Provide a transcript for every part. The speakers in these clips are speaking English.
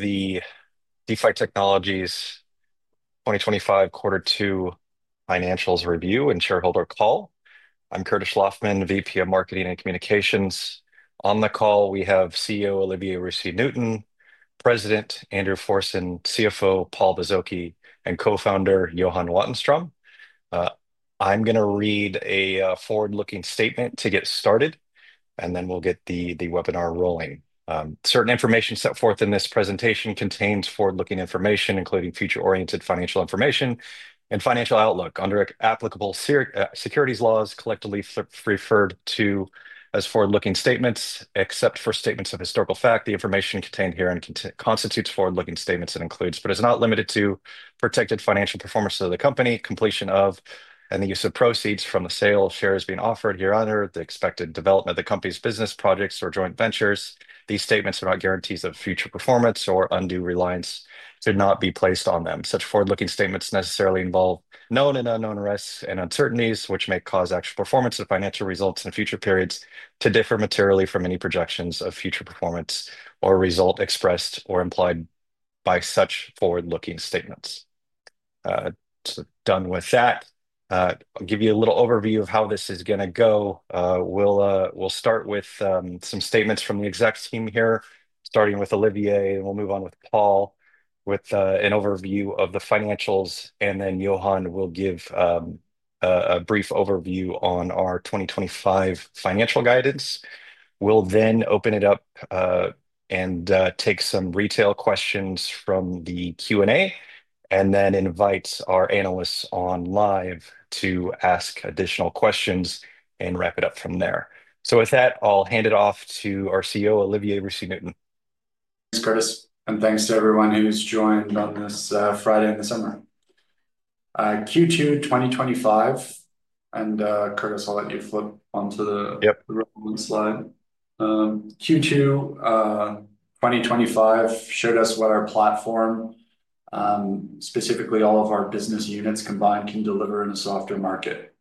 To the DeFi Technologies 2025 Q2 Financials Review and Shareholder Call. I'm Curtis Schlaufman, VP of Marketing and Communications. On the call, we have CEO Olivier Roussy Newton, President Andrew Forson, CFO Paul Bozoki, and Co-Founder Johan Wattenstrom. I'm going to read a forward-looking statement to get started, and then we'll get the webinar rolling. Certain information set forth in this presentation contains forward-looking information, including future-oriented financial information and financial outlook. Under applicable securities laws, collectively referred to as forward-looking statements, except for statements of historical fact, the information contained herein constitutes forward-looking statements and includes, but is not limited to, projected financial performance of the company, completion of, and the use of proceeds from the sale of shares being offered here under the expected development of the company's business projects or joint ventures. These statements are not guarantees of future performance, or undue reliance should not be placed on them. Such forward-looking statements necessarily involve known and unknown risks and uncertainties, which may cause actual performance of financial results in future periods to differ materially from any projections of future performance or result expressed or implied by such forward-looking statements. Done with that, I'll give you a little overview of how this is going to go. We'll start with some statements from the execs team here, starting with Olivier, and we'll move on with Paul with an overview of the financials, and then Johan will give a brief overview on our 2025 financial guidance. We'll then open it up and take some retail questions from the Q&A, and then invite our analysts on live to ask additional questions and wrap it up from there. With that, I'll hand it off to our CEO, Olivier Roussy Newton. Thanks, Curtis, and thanks to everyone who has joined on this Friday in the summer. Q2 2025, and Curtis, I'll let you flip onto the slide. Q2 2025 showed us what our platform, specifically all of our business units combined, can deliver in a softer market.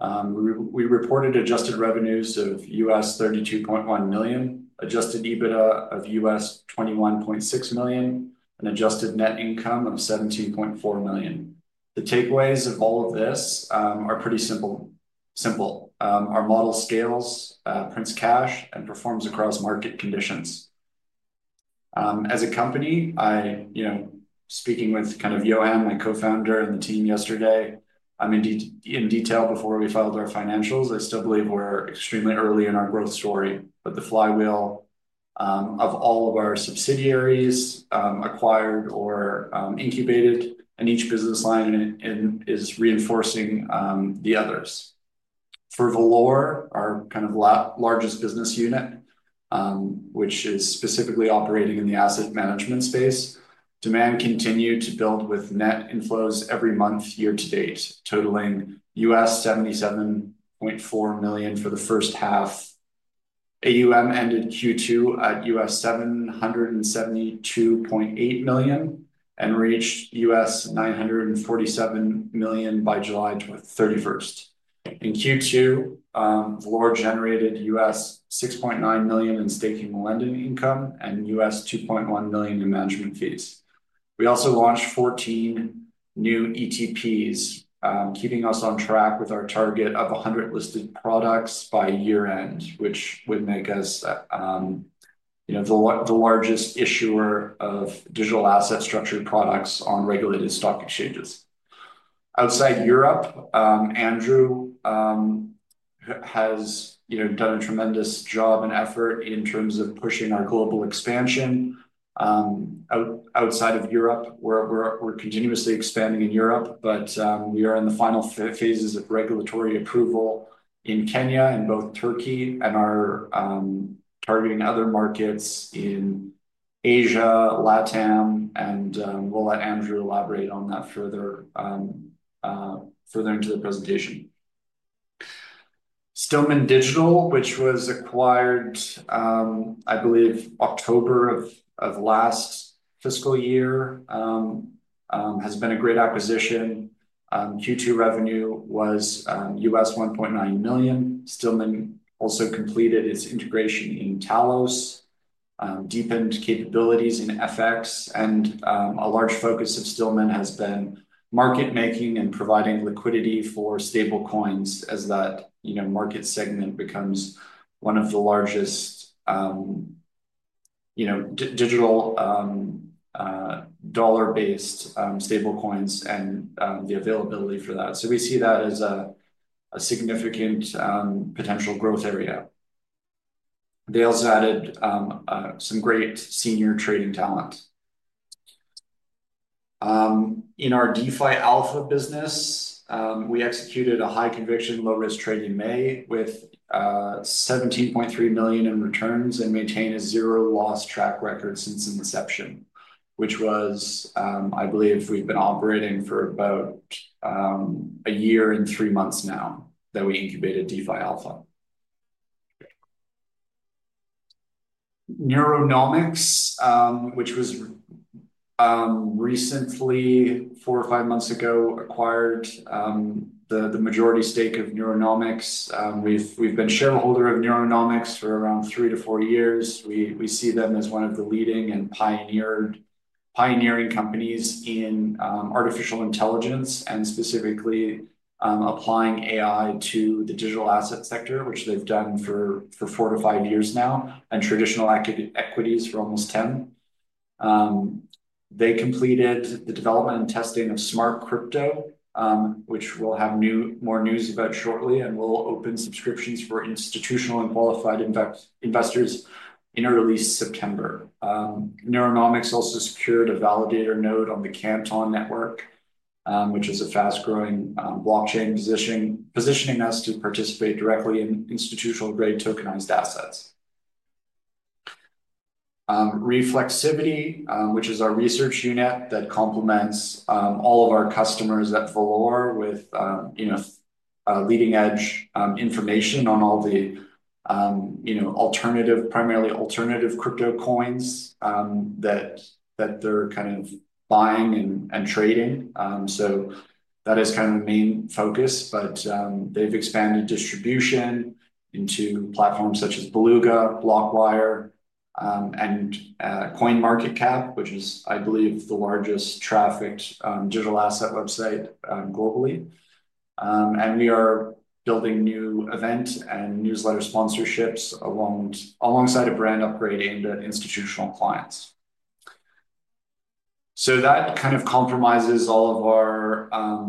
We reported adjusted revenues of US $32.1 million, adjusted EBITDA of US $21.6 million, and adjusted net income of $72.4 million. The takeaways of all of this are pretty simple. Our model scales, prints cash, and performs across market conditions. As a company, speaking with Johan, my Co-Founder, and the team yesterday in detail before we filed our financials, I still believe we're extremely early in our growth story, but the flywheel of all of our subsidiaries acquired or incubated in each business line is reinforcing the others. For Valour, our largest business unit, which is specifically operating in the asset management space, demand continued to build with net inflows every month year to date, totaling US $77.4 million for the first half. AUM ended Q2 at US $772.8 million and reached US $947 million by July 31, 2025. In Q2, Valour generated US $6.9 million in staking and lending income and US $2.1 million in management fees. We also launched 14 new ETPs, keeping us on track with our target of 100 listed products by year end, which would make us the largest issuer of digital asset structured products on regulated stock exchanges. Outside Europe, Andrew has done a tremendous job and effort in terms of pushing our global expansion. Outside of Europe, we're continuously expanding in Europe, but we are in the final phases of regulatory approval in Kenya and both Turkey and are targeting other markets in Asia, Latin America, and we'll let Andrew elaborate on that further into the presentation. Stillman Digital, which was acquired, I believe, October of last fiscal year, has been a great acquisition. Q2 revenue was US $1.9 million. Stillman also completed its integration in Talos, deepened capabilities in FX, and a large focus of Stillman has been market making and providing liquidity for stablecoins as that market segment becomes one of the largest digital dollar-based stablecoins and the availability for that. We see that as a significant potential growth area. They also added some great senior trading talent. In our DeFi Alpha business, we executed a high conviction, low risk trade in May with $17.3 million in returns and maintain a zero loss track record since inception, which was, I believe, we've been operating for about a year and three months now that we incubated DeFi Alpha. Neuronomics, which was recently four or five months ago, acquired the majority stake of Neuronomics. We've been a shareholder of Neuronomics for around three to four years. We see them as one of the leading and pioneering companies in artificial intelligence and specifically applying AI to the digital asset sector, which they've done for four to five years now, and traditional equities for almost ten. They completed the development and testing of Smart Crypto, which we'll have more news about shortly, and we'll open subscriptions for institutional and qualified investors in early September. Neuronomics also secured a validator node on the Canton Network, which is a fast-growing blockchain positioning us to participate directly in institutional-grade tokenized assets. Reflexivity, which is our research unit that complements all of our customers at Valour with leading-edge information on all the, you know, primarily alternative crypto coins that they're kind of buying and trading. That is kind of a main focus, but they've expanded distribution into platforms such as Beluga, BlockWire, and CoinMarketCap, which is, I believe, the largest trafficked digital asset website globally. We are building new events and newsletter sponsorships alongside a brand upgrade into institutional clients. That kind of compromises all of our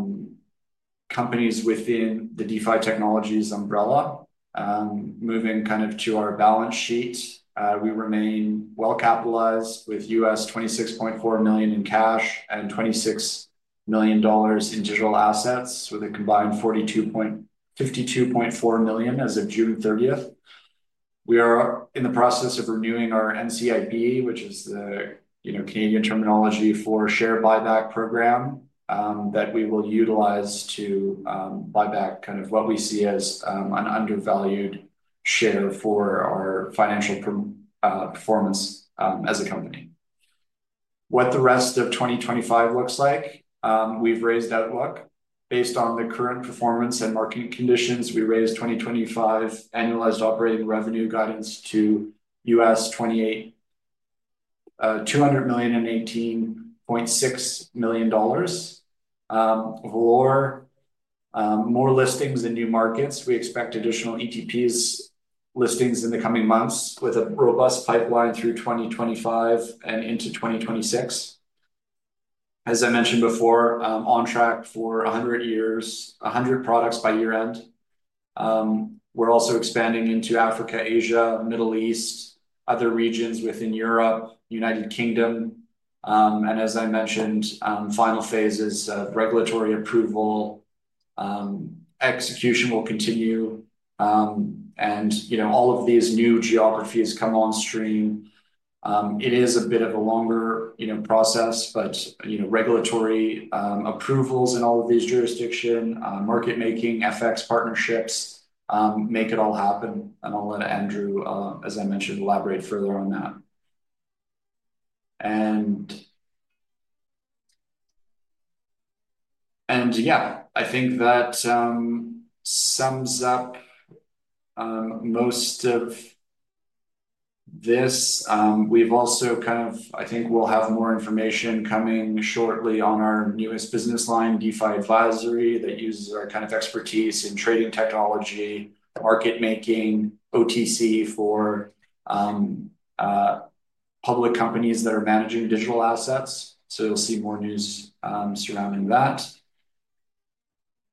companies within the DeFi Technologies umbrella. Moving to our balance sheet, we remain well capitalized with $26.4 million in cash and $26 million in digital assets, with a combined $52.4 million as of June 30. We are in the process of renewing our NCIB, which is the Canadian terminology for share buyback program that we will utilize to buy back what we see as an undervalued share for our financial performance as a company. What the rest of 2025 looks like, we've raised that look based on the current performance and market conditions. We raised 2025 annualized operating revenue guidance to $208.2 million and $18.6 million. Valour, more listings in new markets. We expect additional ETPs listings in the coming months with a robust pipeline through 2025 and into 2026. As I mentioned before, on track for 100 products by year end. We're also expanding into Africa, Asia, Middle East, other regions within Europe, United Kingdom, and as I mentioned, final phases of regulatory approval. Execution will continue, and all of these new geographies come on stream. It is a bit of a longer process, but regulatory approvals in all of these jurisdictions, market making, FX partnerships make it all happen. I'll let Andrew, as I mentioned, elaborate further on that. I think that sums up most of this. We've also kind of, I think we'll have more information coming shortly on our newest business line, DeFi Advisory, that uses our kind of expertise in trading technology, market making, OTC for public companies that are managing digital assets. You'll see more news surrounding that.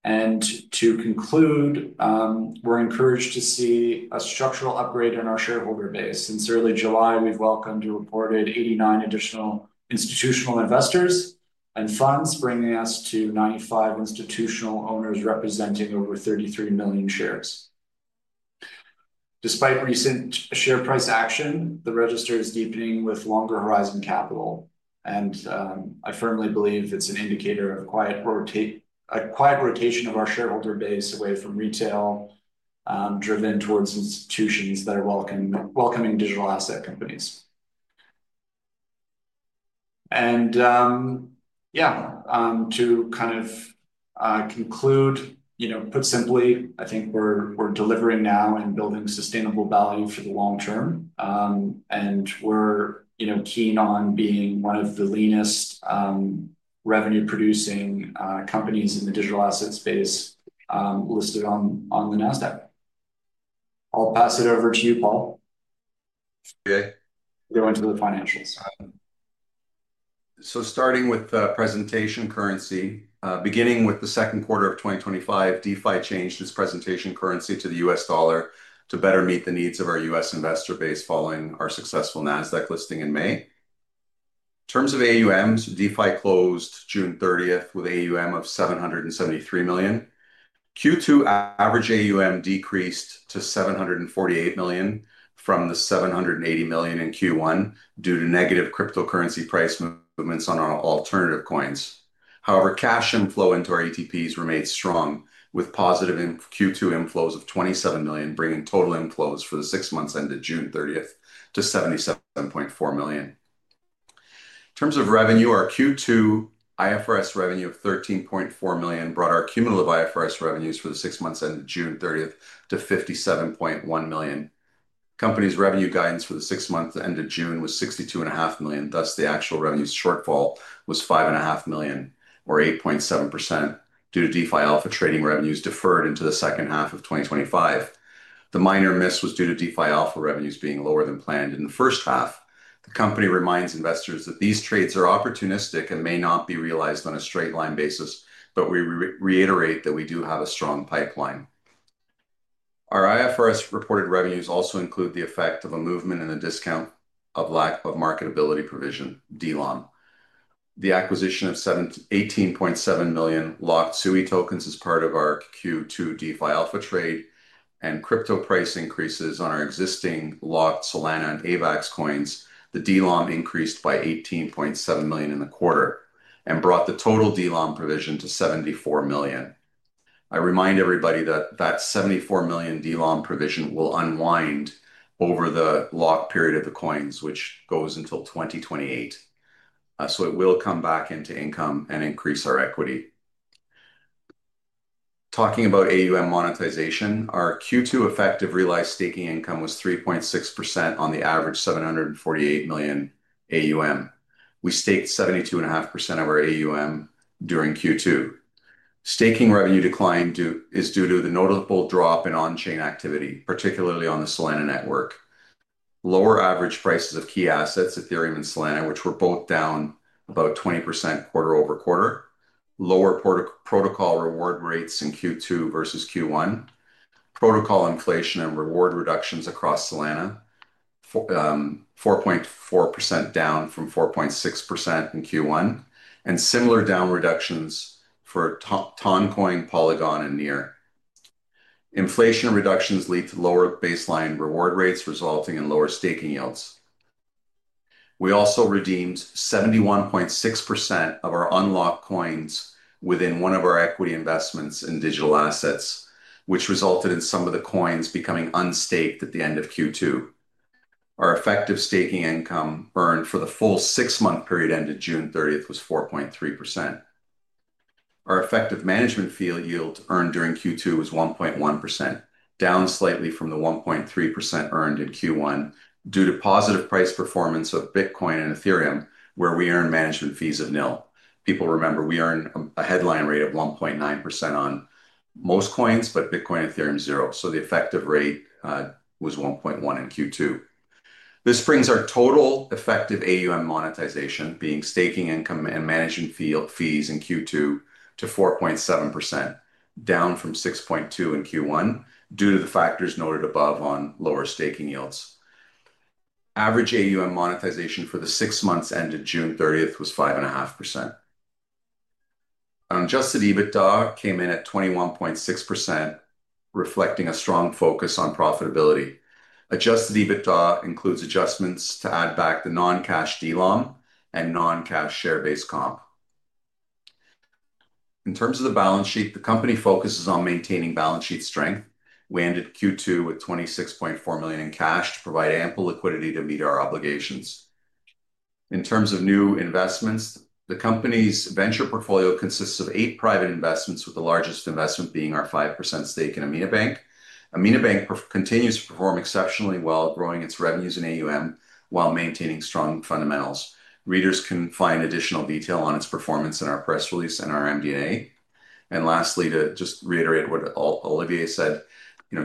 To conclude, we're encouraged to see a structural upgrade in our shareholder base. Since early July, we've welcomed and reported 89 additional institutional investors and funds, bringing us to 95 institutional owners representing over 33 million shares. Despite recent share price action, the register is deepening with longer horizon capital. I firmly believe it's an indicator of a quiet rotation of our shareholder base away from retail, driven towards institutions that are welcoming digital asset companies. To kind of conclude, you know, put simply, I think we're delivering now and building sustainable value for the long term. We're, you know, keen on being one of the leanest revenue-producing companies in the digital asset space listed on the NASDAQ. I'll pass it over to you, Paul. Okay. Going to our financials. Starting with the presentation currency, beginning with the second quarter of 2025, DeFi Technologies changed its presentation currency to the US dollar to better meet the needs of our US investor base following our successful NASDAQ listing in May. In terms of AUM, DeFi Technologies closed June 30 with an AUM of $773 million. Q2 average AUM decreased to $748 million from $780 million in Q1 due to negative cryptocurrency price movements on our altcoins. However, cash inflow into our exchange-traded products remains strong with positive Q2 inflows of $27 million, bringing total inflows for the six months ended June 30 to $77.4 million. In terms of revenue, our Q2 IFRS revenue of $13.4 million brought our cumulative IFRS revenues for the six months ended June 30 to $57.1 million. The company's revenue guidance for the six months ended June was $62.5 million. Thus, the actual revenue shortfall was $5.5 million, or 8.7%, due to DeFi Alpha trading revenues deferred into the second half of 2025. The minor miss was due to DeFi Alpha revenues being lower than planned in the first half. The company reminds investors that these trades are opportunistic and may not be realized on a straight-line basis, but we reiterate that we do have a strong pipeline. Our IFRS reported revenues also include the effect of a movement and a discount of lack of marketability provision, DLOM. The acquisition of $18.7 million locked SUI tokens as part of our Q2 DeFi Alpha trade and crypto price increases on our existing locked Solana and AVAX coins. The DLOM increased by $18.7 million in the quarter and brought the total DLOM provision to $74 million. I remind everybody that the $74 million DLOM provision will unwind over the locked period of the coins, which goes until 2028. It will come back into income and increase our equity. Talking about AUM monetization, our Q2 effective realized staking income was 3.6% on the average $748 million AUM. We staked 72.5% of our AUM during Q2. Staking revenue decline is due to the notable drop in on-chain activity, particularly on the Solana network. Lower average prices of key assets, Ethereum and Solana, which were both down about 20% quarter over quarter. Lower protocol reward rates in Q2 versus Q1. Protocol inflation and reward reductions across Solana, 4.4% down from 4.6% in Q1, and similar reductions for Toncoin, Polygon, and NEAR. Inflation and reductions lead to lower baseline reward rates, resulting in lower staking yields. We also redeemed 71.6% of our unlocked coins within one of our equity investments in digital assets, which resulted in some of the coins becoming unstaked at the end of Q2. Our effective staking income earned for the full six-month period ended June 30, 2023 was 4.3%. Our effective management fee yield earned during Q2 was 1.1%, down slightly from the 1.3% earned in Q1 due to positive price performance of Bitcoin and Ethereum, where we earned management fees of nil. People remember we earned a headline rate of 1.9% on most coins, but Bitcoin and Ethereum zero. The effective rate was 1.1% in Q2. This brings our total effective AUM monetization, being staking income and management fees in Q2, to 4.7%, down from 6.2% in Q1 due to the factors noted above on lower staking yields. Average AUM monetization for the six months ended June 30, 2023 was 5.5%. Unadjusted EBITDA came in at 21.6%, reflecting a strong focus on profitability. Adjusted EBITDA includes adjustments to add back the non-cash DLOM and non-cash share-based comp. In terms of the balance sheet, the company focuses on maintaining balance sheet strength. We ended Q2 with $26.4 million in cash to provide ample liquidity to meet our obligations. In terms of new investments, the company's venture portfolio consists of eight private investments, with the largest investment being our 5% stake in Amina Bank. Amina Bank continues to perform exceptionally well, growing its revenues and AUM while maintaining strong fundamentals. Readers can find additional detail on its performance in our press release and our MVNA. Lastly, to just reiterate what Olivier said,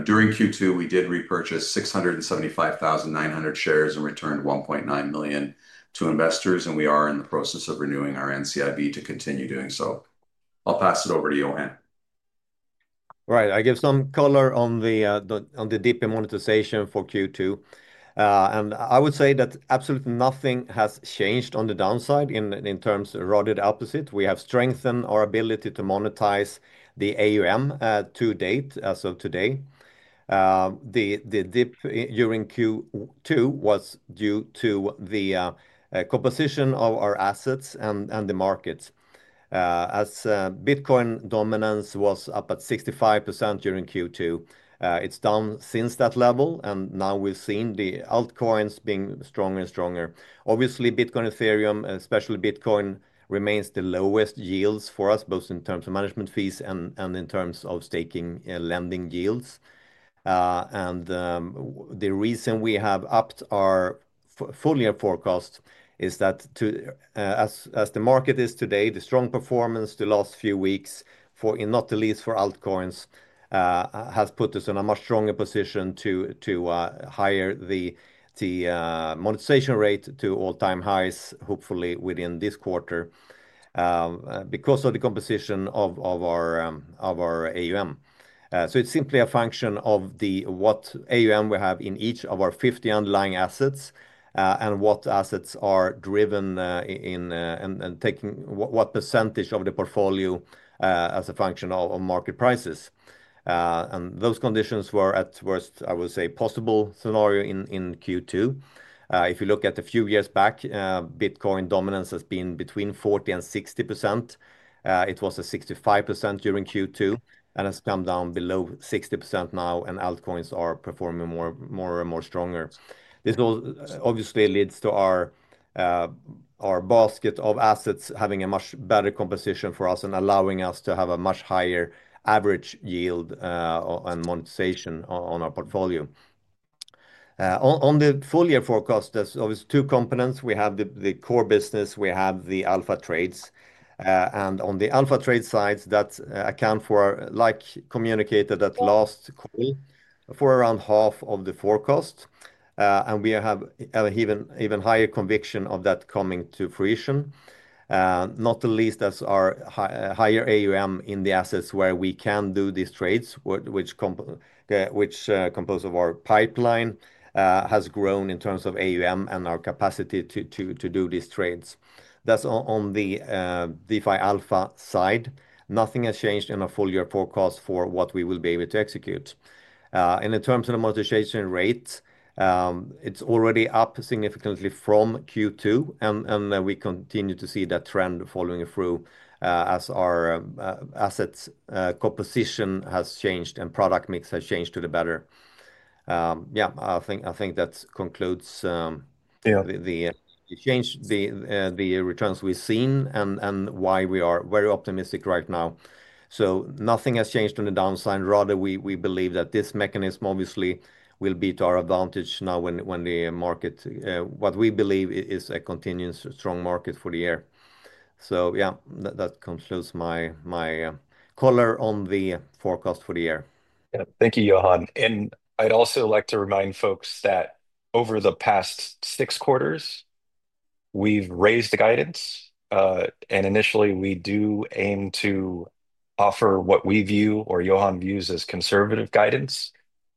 during Q2, we did repurchase 675,900 shares and returned $1.9 million to investors, and we are in the process of renewing our NCIB to continue doing so. I'll pass it over to Johan. Right, I give some color on the DP monetization for Q2. I would say that absolutely nothing has changed on the downside in terms of the opposite. We have strengthened our ability to monetize the AUM to date, as of today. The dip during Q2 was due to the composition of our assets and the markets. As Bitcoin dominance was up at 65% during Q2, it's down since that level, and now we've seen the altcoins being stronger and stronger. Obviously, Bitcoin, Ethereum, especially Bitcoin, remains the lowest yields for us, both in terms of management fees and in terms of staking and lending yields. The reason we have upped our full year forecast is that as the market is today, the strong performance the last few weeks, and not the least for altcoins, has put us in a much stronger position to higher the monetization rate to all-time highs, hopefully within this quarter, because of the composition of our AUM. It's simply a function of what AUM we have in each of our 50 underlying assets and what assets are driven in and taking what percentage of the portfolio as a function of market prices. Those conditions were at worst, I would say, possible scenario in Q2. If you look at a few years back, Bitcoin dominance has been between 40% and 60%. It was at 65% during Q2 and has come down below 60% now, and altcoins are performing more and more stronger. This obviously leads to our basket of assets having a much better composition for us and allowing us to have a much higher average yield and monetization on our portfolio. On the full year forecast, there's always two components. We have the core business, we have the alpha trades, and on the alpha trade sides, that account for, like communicated at last quarter, for around half of the forecast. We have an even higher conviction of that coming to fruition, not the least as our higher AUM in the assets where we can do these trades, which composes of our pipeline, has grown in terms of AUM and our capacity to do these trades. That's on the DeFi Alpha side. Nothing has changed in our full year forecast for what we will be able to execute. In terms of the monetization rates, it's already up significantly from Q2, and we continue to see that trend following through as our assets composition has changed and product mix has changed to the better. I think that concludes the returns we've seen and why we are very optimistic right now. Nothing has changed on the downside. Rather, we believe that this mechanism obviously will be to our advantage now when the market, what we believe, is a continuous strong market for the year. That concludes my color on the forecast for the year. Thank you, Johan. I'd also like to remind folks that over the past six quarters, we've raised guidance, and initially we do aim to offer what we view or Johan views as conservative guidance.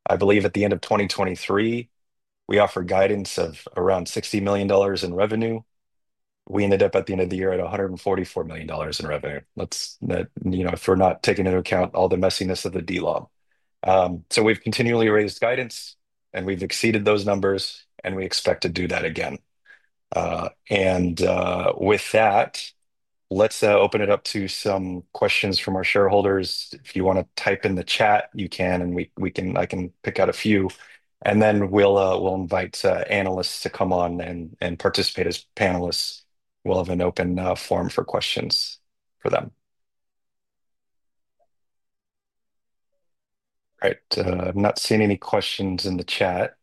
I believe at the end of 2023, we offered guidance of around $60 million in revenue. We ended up at the end of the year at $144 million in revenue. That's, you know, if we're not taking into account all the messiness of the DLOM. We've continually raised guidance, and we've exceeded those numbers, and we expect to do that again. With that, let's open it up to some questions from our shareholders. If you want to type in the chat, you can, and I can pick out a few. Then we'll invite analysts to come on and participate as panelists. We'll have an open forum for questions for them. I'm not seeing any questions in the chat.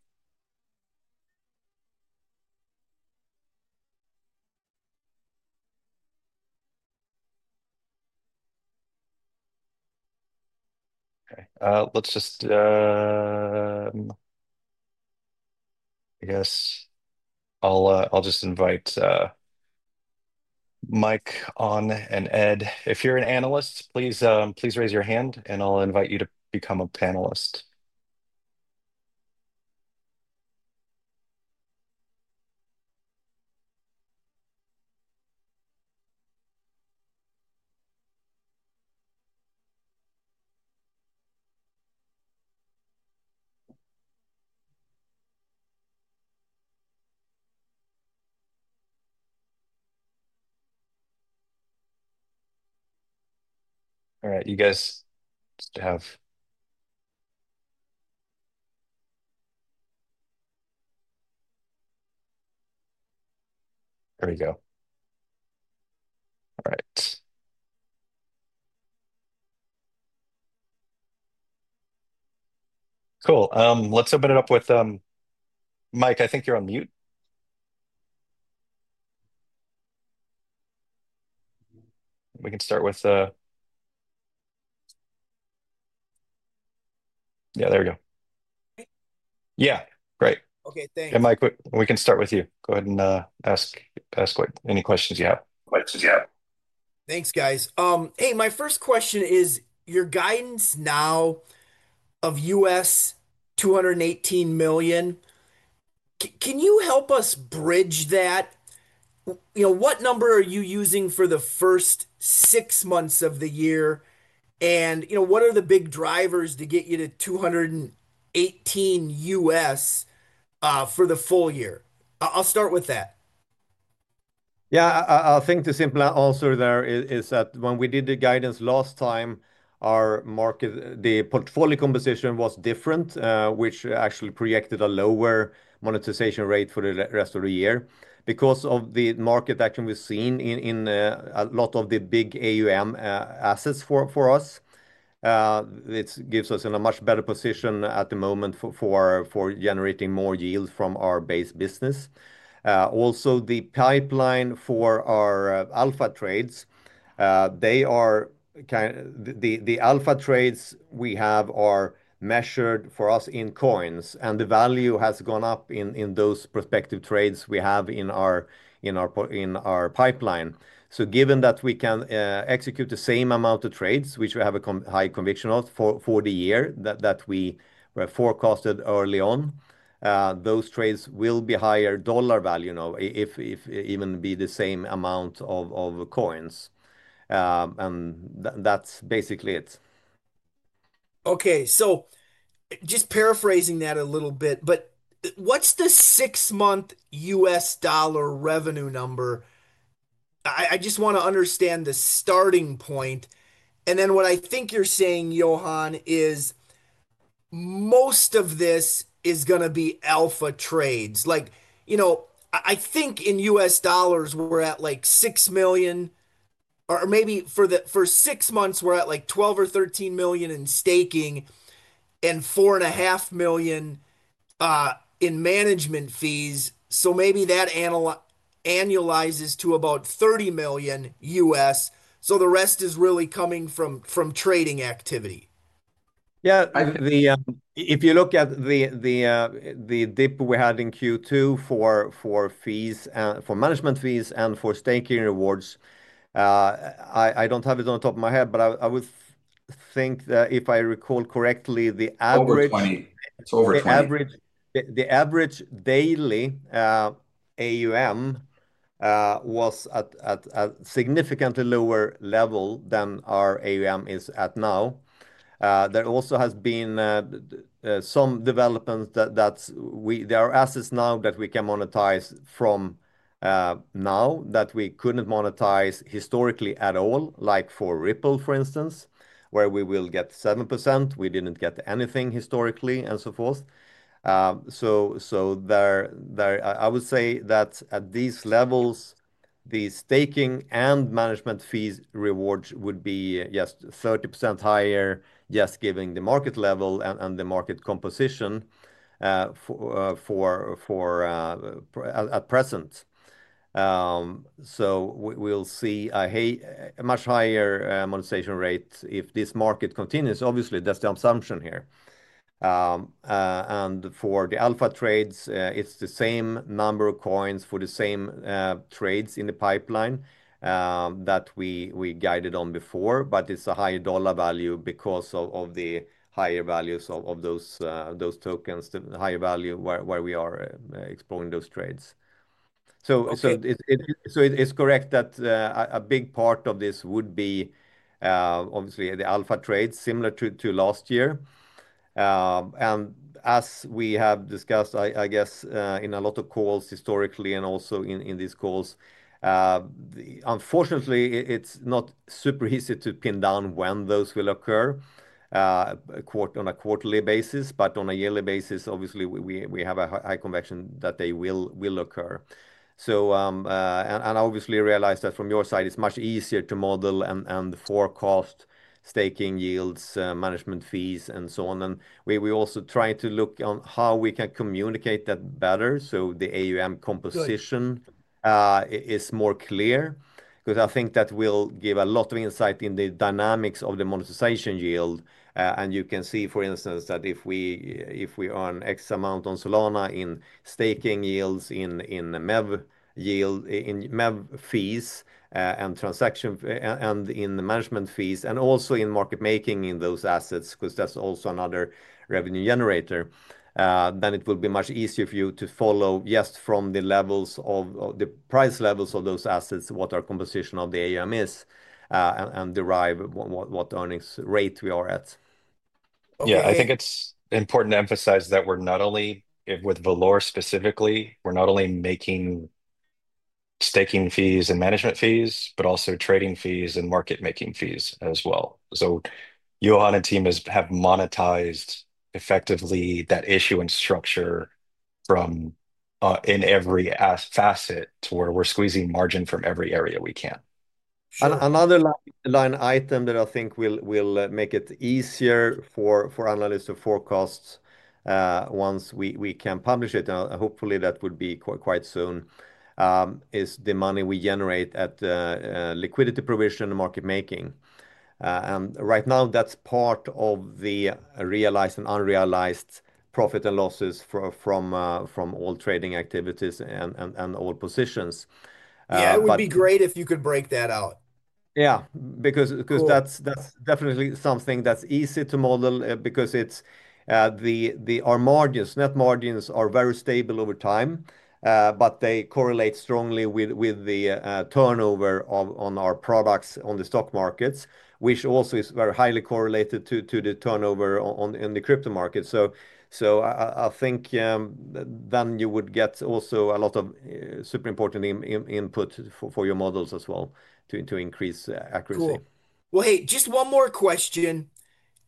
Let's just, I guess I'll just invite Mike on and Ed. If you're an analyst, please raise your hand, and I'll invite you to become a panelist. You guys just have... There we go. Cool. Let's open it up with Mike. I think you're on mute. We can start with... Yeah, there we go. Yeah, great. Okay, thanks. Mike, we can start with you. Go ahead and ask any questions you have. Thanks, guys. Hey, my first question is your guidance now of $218 million. Can you help us bridge that? You know, what number are you using for the first six months of the year? You know, what are the big drivers to get you to $218 million for the full year? I'll start with that. Yeah, I think the simple answer there is that when we did the guidance last time, our market, the portfolio composition was different, which actually projected a lower monetization rate for the rest of the year. Because of the market action we've seen in a lot of the big AUM assets for us, it gives us in a much better position at the moment for generating more yields from our base business. Also, the pipeline for our alpha trades, they are kind of the alpha trades we have are measured for us in coins, and the value has gone up in those prospective trades we have in our pipeline. Given that we can execute the same amount of trades, which we have a high conviction of for the year that we have forecasted early on, those trades will be higher dollar value, you know, if even be the same amount of coins. That's basically it. Okay, so just paraphrasing that a little bit, but what's the six-month U.S. dollar revenue number? I just want to understand the starting point. What I think you're saying, Johan, is most of this is going to be alpha trades. Like, you know, I think in U.S. dollars, we're at like $6 million, or maybe for six months, we're at like $12 million or $13 million in staking and $4.5 million in management fees. Maybe that annualizes to about $30 million U.S. The rest is really coming from trading activity. Yeah, if you look at the dip we had in Q2 for fees, for management fees and for staking rewards, I don't have it on the top of my head, but I would think that if I recall correctly, the average daily AUM was at a significantly lower level than our AUM is at now. There also has been some development that there are assets now that we can monetize from now that we couldn't monetize historically at all, like for Ripple, for instance, where we will get 7%. We didn't get anything historically and so forth. I would say that at these levels, the staking and management fees rewards would be just 30% higher, just given the market level and the market composition at present. We will see a much higher monetization rate if this market continues. Obviously, that's the assumption here. For the alpha trades, it's the same number of coins for the same trades in the pipeline that we guided on before, but it's a higher dollar value because of the higher values of those tokens, the higher value where we are exploring those trades. It's correct that a big part of this would be obviously the alpha trades, similar to last year. As we have discussed, I guess in a lot of calls historically and also in these calls, unfortunately, it's not super easy to pin down when those will occur on a quarterly basis, but on a yearly basis, obviously, we have a high conviction that they will occur. Obviously, I realize that from your side, it's much easier to model and forecast staking yields, management fees, and so on. We also try to look on how we can communicate that better so the AUM composition is more clear, because I think that will give a lot of insight in the dynamics of the monetization yield. You can see, for instance, that if we earn X amount on Solana in staking yields, in MEV fees, and in management fees, and also in market making in those assets, because that's also another revenue generator, then it will be much easier for you to follow just from the levels of the price levels of those assets, what our composition of the AUM is, and derive what earnings rate we are at. Yeah, I think it's important to emphasize that we're not only with Valour specifically, we're not only making staking fees and management fees, but also trading fees and market making fees as well. Johan and team have monetized effectively that issue and structure from in every facet to where we're squeezing margin from every area we can. Another line item that I think will make it easier for analysts to forecast once we can publish it, and hopefully that would be quite soon, is the money we generate at the liquidity provision and market making. Right now, that's part of the realized and unrealized profit and losses from all trading activities and all positions. Yeah, it would be great if you could break that out. Yeah, because that's definitely something that's easy to model because our margins, net margins, are very stable over time, but they correlate strongly with the turnover on our products on the stock markets, which also is very highly correlated to the turnover in the crypto market. I think then you would get also a lot of super important input for your models as well to increase accuracy. Cool. Hey, just one more question.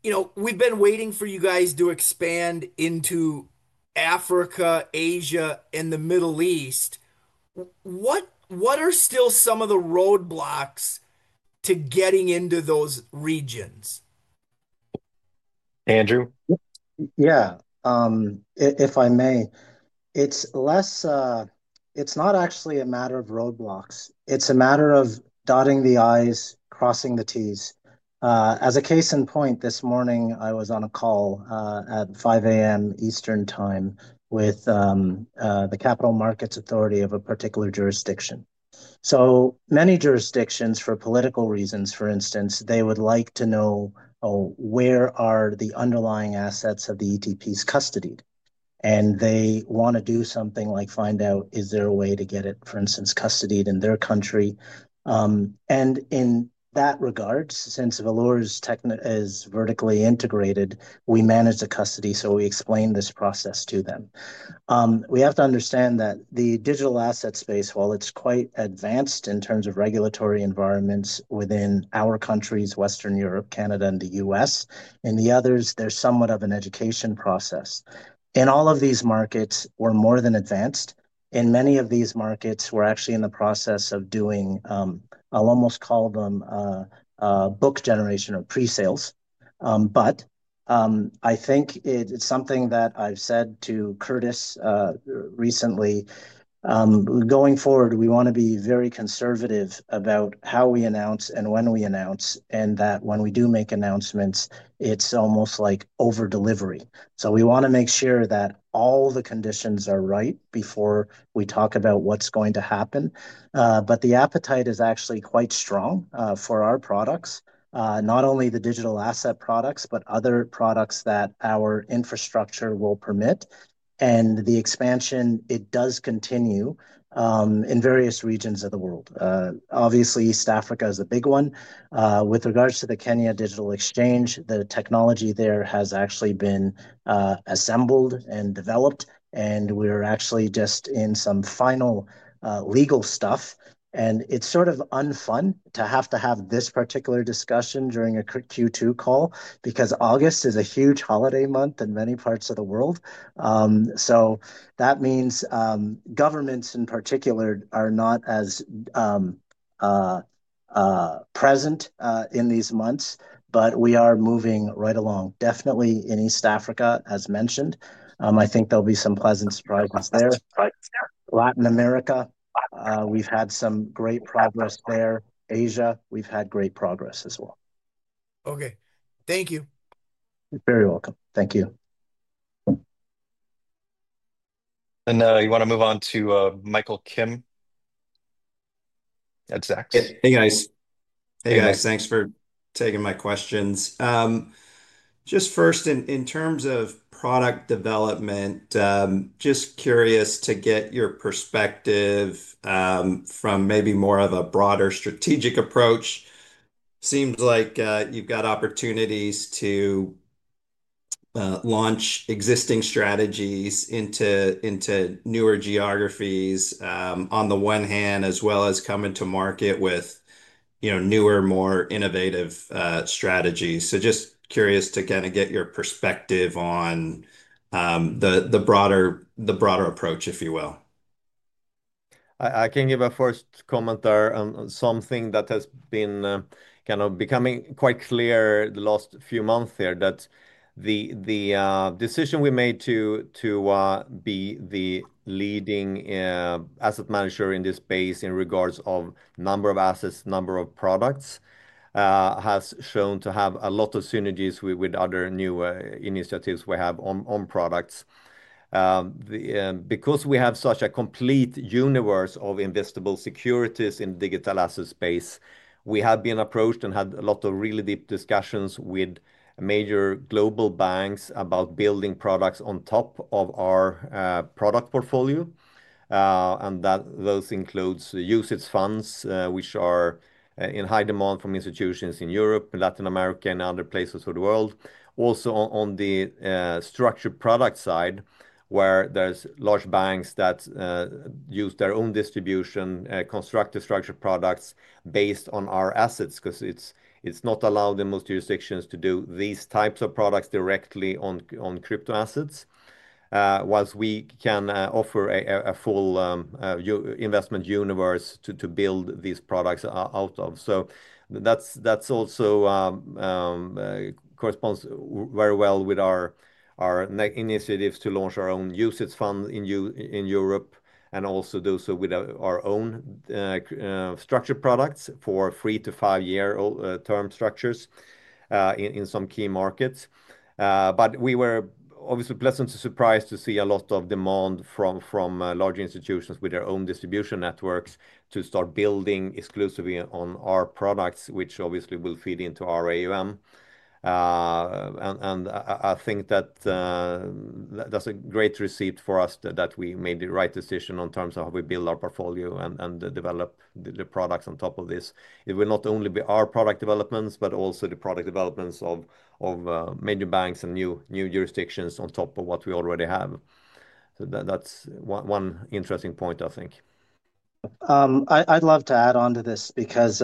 You know, we've been waiting for you guys to expand into Africa, Asia, and the Middle East. What are still some of the roadblocks to getting into those regions? Andrew? Yeah, if I may, it's less, it's not actually a matter of roadblocks. It's a matter of dotting the I's, crossing the T's. As a case in point, this morning I was on a call at 5:00 A.M. Eastern Time with the Capital Markets Authority of a particular jurisdiction. So many jurisdictions, for political reasons, for instance, they would like to know where are the underlying assets of the ETPs custodied. They want to do something like find out is there a way to get it, for instance, custodied in their country. In that regard, since Valour is vertically integrated, we manage the custody, so we explain this process to them. We have to understand that the digital asset space, while it's quite advanced in terms of regulatory environments within our countries, Western Europe, Canada, and the U.S., in the others, there's somewhat of an education process. In all of these markets, we're more than advanced. In many of these markets, we're actually in the process of doing, I'll almost call them book generation or pre-sales. I think it's something that I've said to Curtis recently. Going forward, we want to be very conservative about how we announce and when we announce, and that when we do make announcements, it's almost like over-delivery. We want to make sure that all the conditions are right before we talk about what's going to happen. The appetite is actually quite strong for our products, not only the digital asset products, but other products that our infrastructure will permit. The expansion, it does continue in various regions of the world. Obviously, East Africa is the big one. With regards to the Kenya Digital Exchange, the technology there has actually been assembled and developed, and we're actually just in some final legal stuff. It's sort of unfun to have to have this particular discussion during a Q2 call because August is a huge holiday month in many parts of the world. That means governments in particular are not as present in these months, but we are moving right along. Definitely in East Africa, as mentioned, I think there'll be some pleasant strides there. Latin America, we've had some great progress there. Asia, we've had great progress as well. Okay, thank you. You're very welcome. Thank you. You want to move on to Michael Kim at Zacks. Hey, guys. Hey, guys, thanks for taking my questions. In terms of product development, just curious to get your perspective from maybe more of a broader strategic approach. Seems like you've got opportunities to launch existing strategies into newer geographies on the one hand, as well as come into market with newer, more innovative strategies. Just curious to kind of get your perspective on the broader approach, if you will. I can give a first comment on something that has been kind of becoming quite clear the last few months here, that the decision we made to be the leading asset manager in this space in regards to the number of assets, number of products, has shown to have a lot of synergies with other new initiatives we have on products. Because we have such a complete universe of investable securities in the digital asset space, we have been approached and had a lot of really deep discussions with major global banks about building products on top of our product portfolio. That includes usage funds, which are in high demand from institutions in Europe, Latin America, and other places of the world. Also, on the structured product side, there are large banks that use their own distribution, construct the structured products based on our assets, because it's not allowed in most jurisdictions to do these types of products directly on crypto assets, whilst we can offer a full investment universe to build these products out of. That also corresponds very well with our initiatives to launch our own usage fund in Europe and also do so with our own structured products for three to five-year-term structures in some key markets. We were obviously pleasantly surprised to see a lot of demand from large institutions with their own distribution networks to start building exclusively on our products, which obviously will feed into our AUM. I think that that's a great receipt for us that we made the right decision in terms of how we build our portfolio and develop the products on top of this. It will not only be our product developments, but also the product developments of major banks and new jurisdictions on top of what we already have. That's one interesting point, I think. I'd love to add on to this because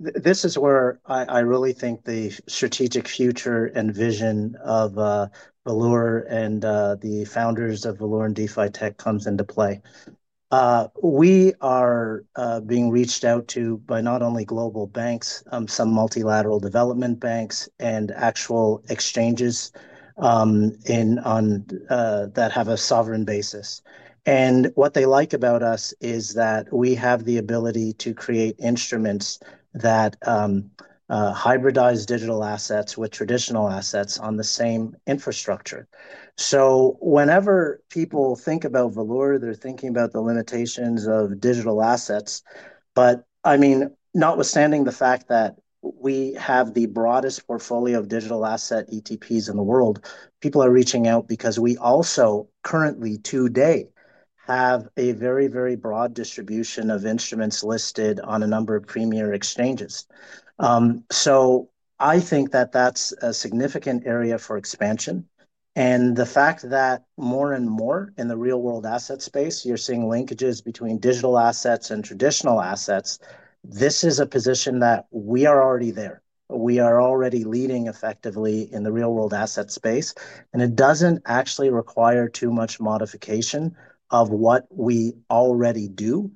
this is where I really think the strategic future and vision of Valour and the founders of Valour and DeFi Technologies comes into play. We are being reached out to by not only global banks, some multilateral development banks, and actual exchanges that have a sovereign basis. What they like about us is that we have the ability to create instruments that hybridize digital assets with traditional assets on the same infrastructure. Whenever people think about Valour, they're thinking about the limitations of digital assets. Notwithstanding the fact that we have the broadest portfolio of digital asset ETPs in the world, people are reaching out because we also currently today have a very, very broad distribution of instruments listed on a number of premier exchanges. I think that that's a significant area for expansion. The fact that more and more in the real-world asset space, you're seeing linkages between digital assets and traditional assets, this is a position that we are already there. We are already leading effectively in the real-world asset space. It doesn't actually require too much modification of what we already do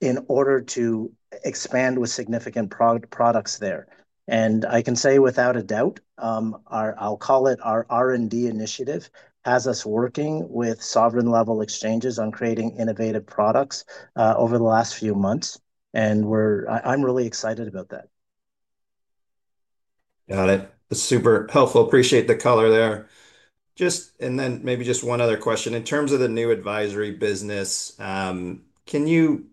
in order to expand with significant products there. I can say without a doubt, I'll call it our R&D initiative has us working with sovereign-level exchanges on creating innovative products over the last few months. I'm really excited about that. Got it. Super helpful. Appreciate the color there. Maybe just one other question. In terms of the new DeFi Advisory business, can you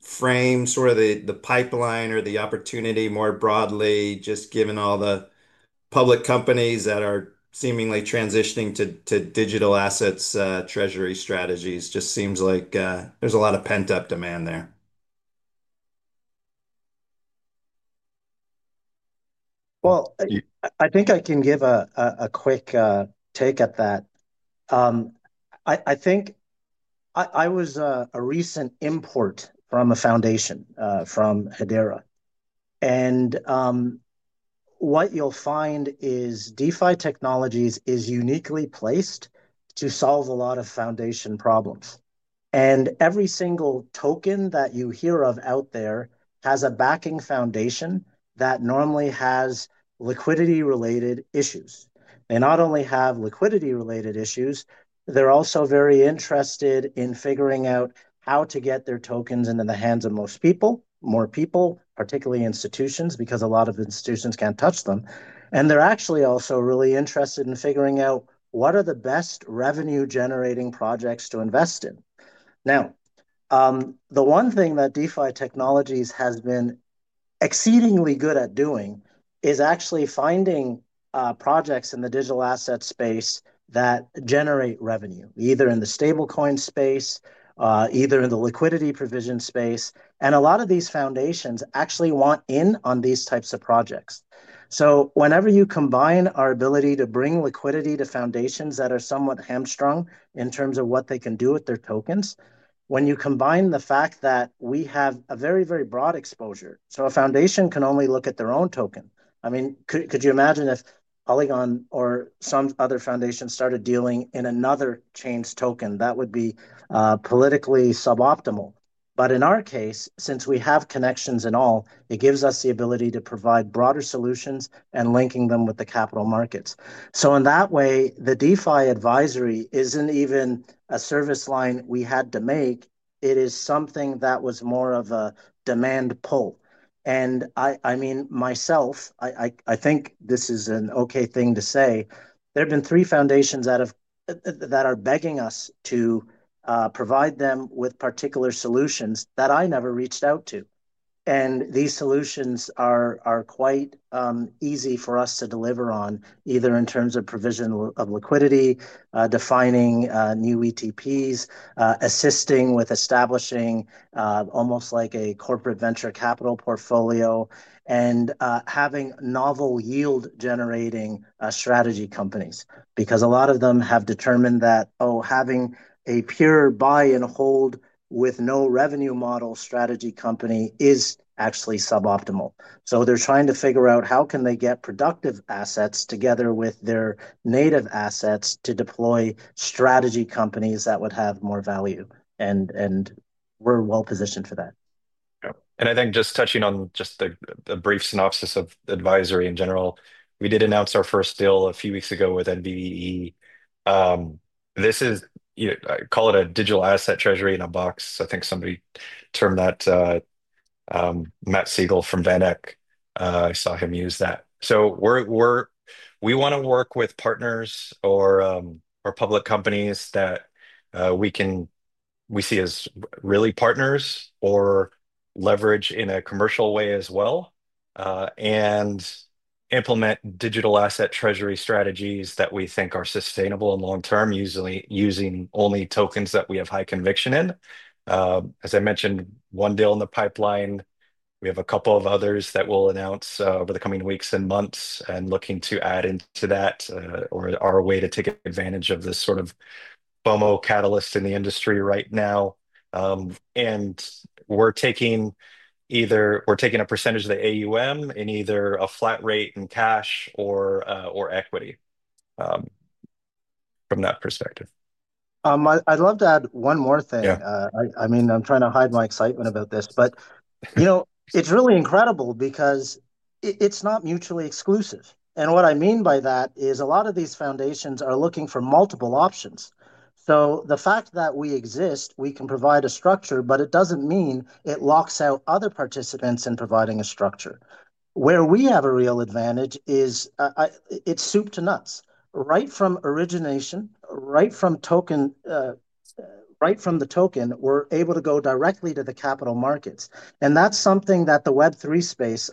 frame sort of the pipeline or the opportunity more broadly, just given all the public companies that are seemingly transitioning to digital asset treasury strategies? It just seems like there's a lot of pent-up demand there. I think I can give a quick take at that. I think I was a recent import from a foundation from Hedera. What you'll find is DeFi Technologies is uniquely placed to solve a lot of foundation problems. Every single token that you hear of out there has a backing foundation that normally has liquidity-related issues. They not only have liquidity-related issues, they're also very interested in figuring out how to get their tokens into the hands of most people, more people, particularly institutions, because a lot of institutions can't touch them. They're actually also really interested in figuring out what are the best revenue-generating projects to invest in. The one thing that DeFi Technologies has been exceedingly good at doing is actually finding projects in the digital asset space that generate revenue, either in the stablecoin space or in the liquidity provision space. A lot of these foundations actually want in on these types of projects. Whenever you combine our ability to bring liquidity to foundations that are somewhat hamstrung in terms of what they can do with their tokens, and when you combine the fact that we have a very, very broad exposure, a foundation can only look at their own token. I mean, could you imagine if Polygon or some other foundation started dealing in another chain's token? That would be politically suboptimal. In our case, since we have connections in all, it gives us the ability to provide broader solutions and link them with the capital markets. In that way, the DeFi Advisory isn't even a service line we had to make. It is something that was more of a demand pull. I think this is an okay thing to say. There have been three foundations that are begging us to provide them with particular solutions that I never reached out to. These solutions are quite easy for us to deliver on, either in terms of provision of liquidity, defining new ETPs, assisting with establishing almost like a corporate venture capital portfolio, and having novel yield-generating strategy companies. A lot of them have determined that having a pure buy and hold with no revenue model strategy company is actually suboptimal. They're trying to figure out how they can get productive assets together with their native assets to deploy strategy companies that would have more value. We're well positioned for that. I think just touching on a brief synopsis of advisory in general, we did announce our first deal a few weeks ago with NBE. This is, you know, I call it a digital asset treasury in a box. I think somebody termed that, Matt Sigel from VanEck. I saw him use that. We want to work with partners or public companies that we can see as really partners or leverage in a commercial way as well, and implement digital asset treasury strategies that we think are sustainable and long-term, usually using only tokens that we have high conviction in. As I mentioned, one deal in the pipeline. We have a couple of others that we'll announce over the coming weeks and months and looking to add into that or our way to take advantage of the sort of FOMO catalyst in the industry right now. We're taking a percentage of the AUM in either a flat rate in cash or equity from that perspective. I'd love to add one more thing. I'm trying to hide my excitement about this, but you know, it's really incredible because it's not mutually exclusive. What I mean by that is a lot of these foundations are looking for multiple options. The fact that we exist, we can provide a structure, but it doesn't mean it locks out other participants in providing a structure. Where we have a real advantage is it's soup to nuts. Right from origination, right from the token, we're able to go directly to the capital markets. That's something that the Web3 space,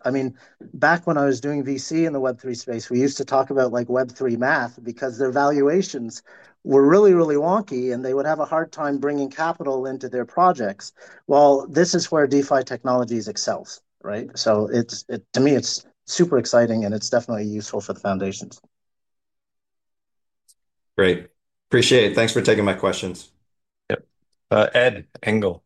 back when I was doing VC in the Web3 space, we used to talk about like Web3 math because their valuations were really, really wonky, and they would have a hard time bringing capital into their projects. This is where DeFi Technologies excels. To me, it's super exciting, and it's definitely useful for the foundations. Great. Appreciate it. Thanks for taking my questions. Yep. Ed Engle.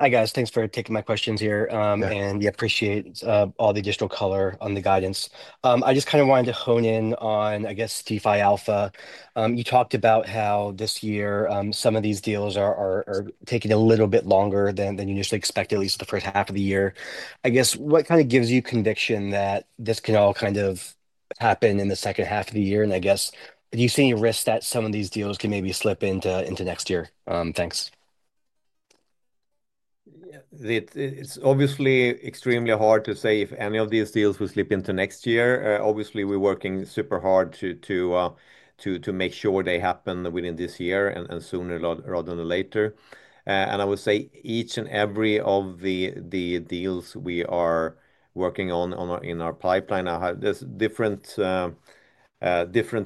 Hi guys, thanks for taking my questions here, and yeah, appreciate all the additional color on the guidance. I just wanted to hone in on, I guess, DeFi Alpha. You talked about how this year some of these deals are taking a little bit longer than you expected, at least the first half of the year. What kind of gives you conviction that this can all happen in the second half of the year? Do you see any risks that some of these deals can maybe slip into next year? Thanks. Yeah, it's obviously extremely hard to say if any of these deals will slip into next year. Obviously, we're working super hard to make sure they happen within this year and sooner rather than later. I would say each and every of the deals we are working on in our pipeline, there's different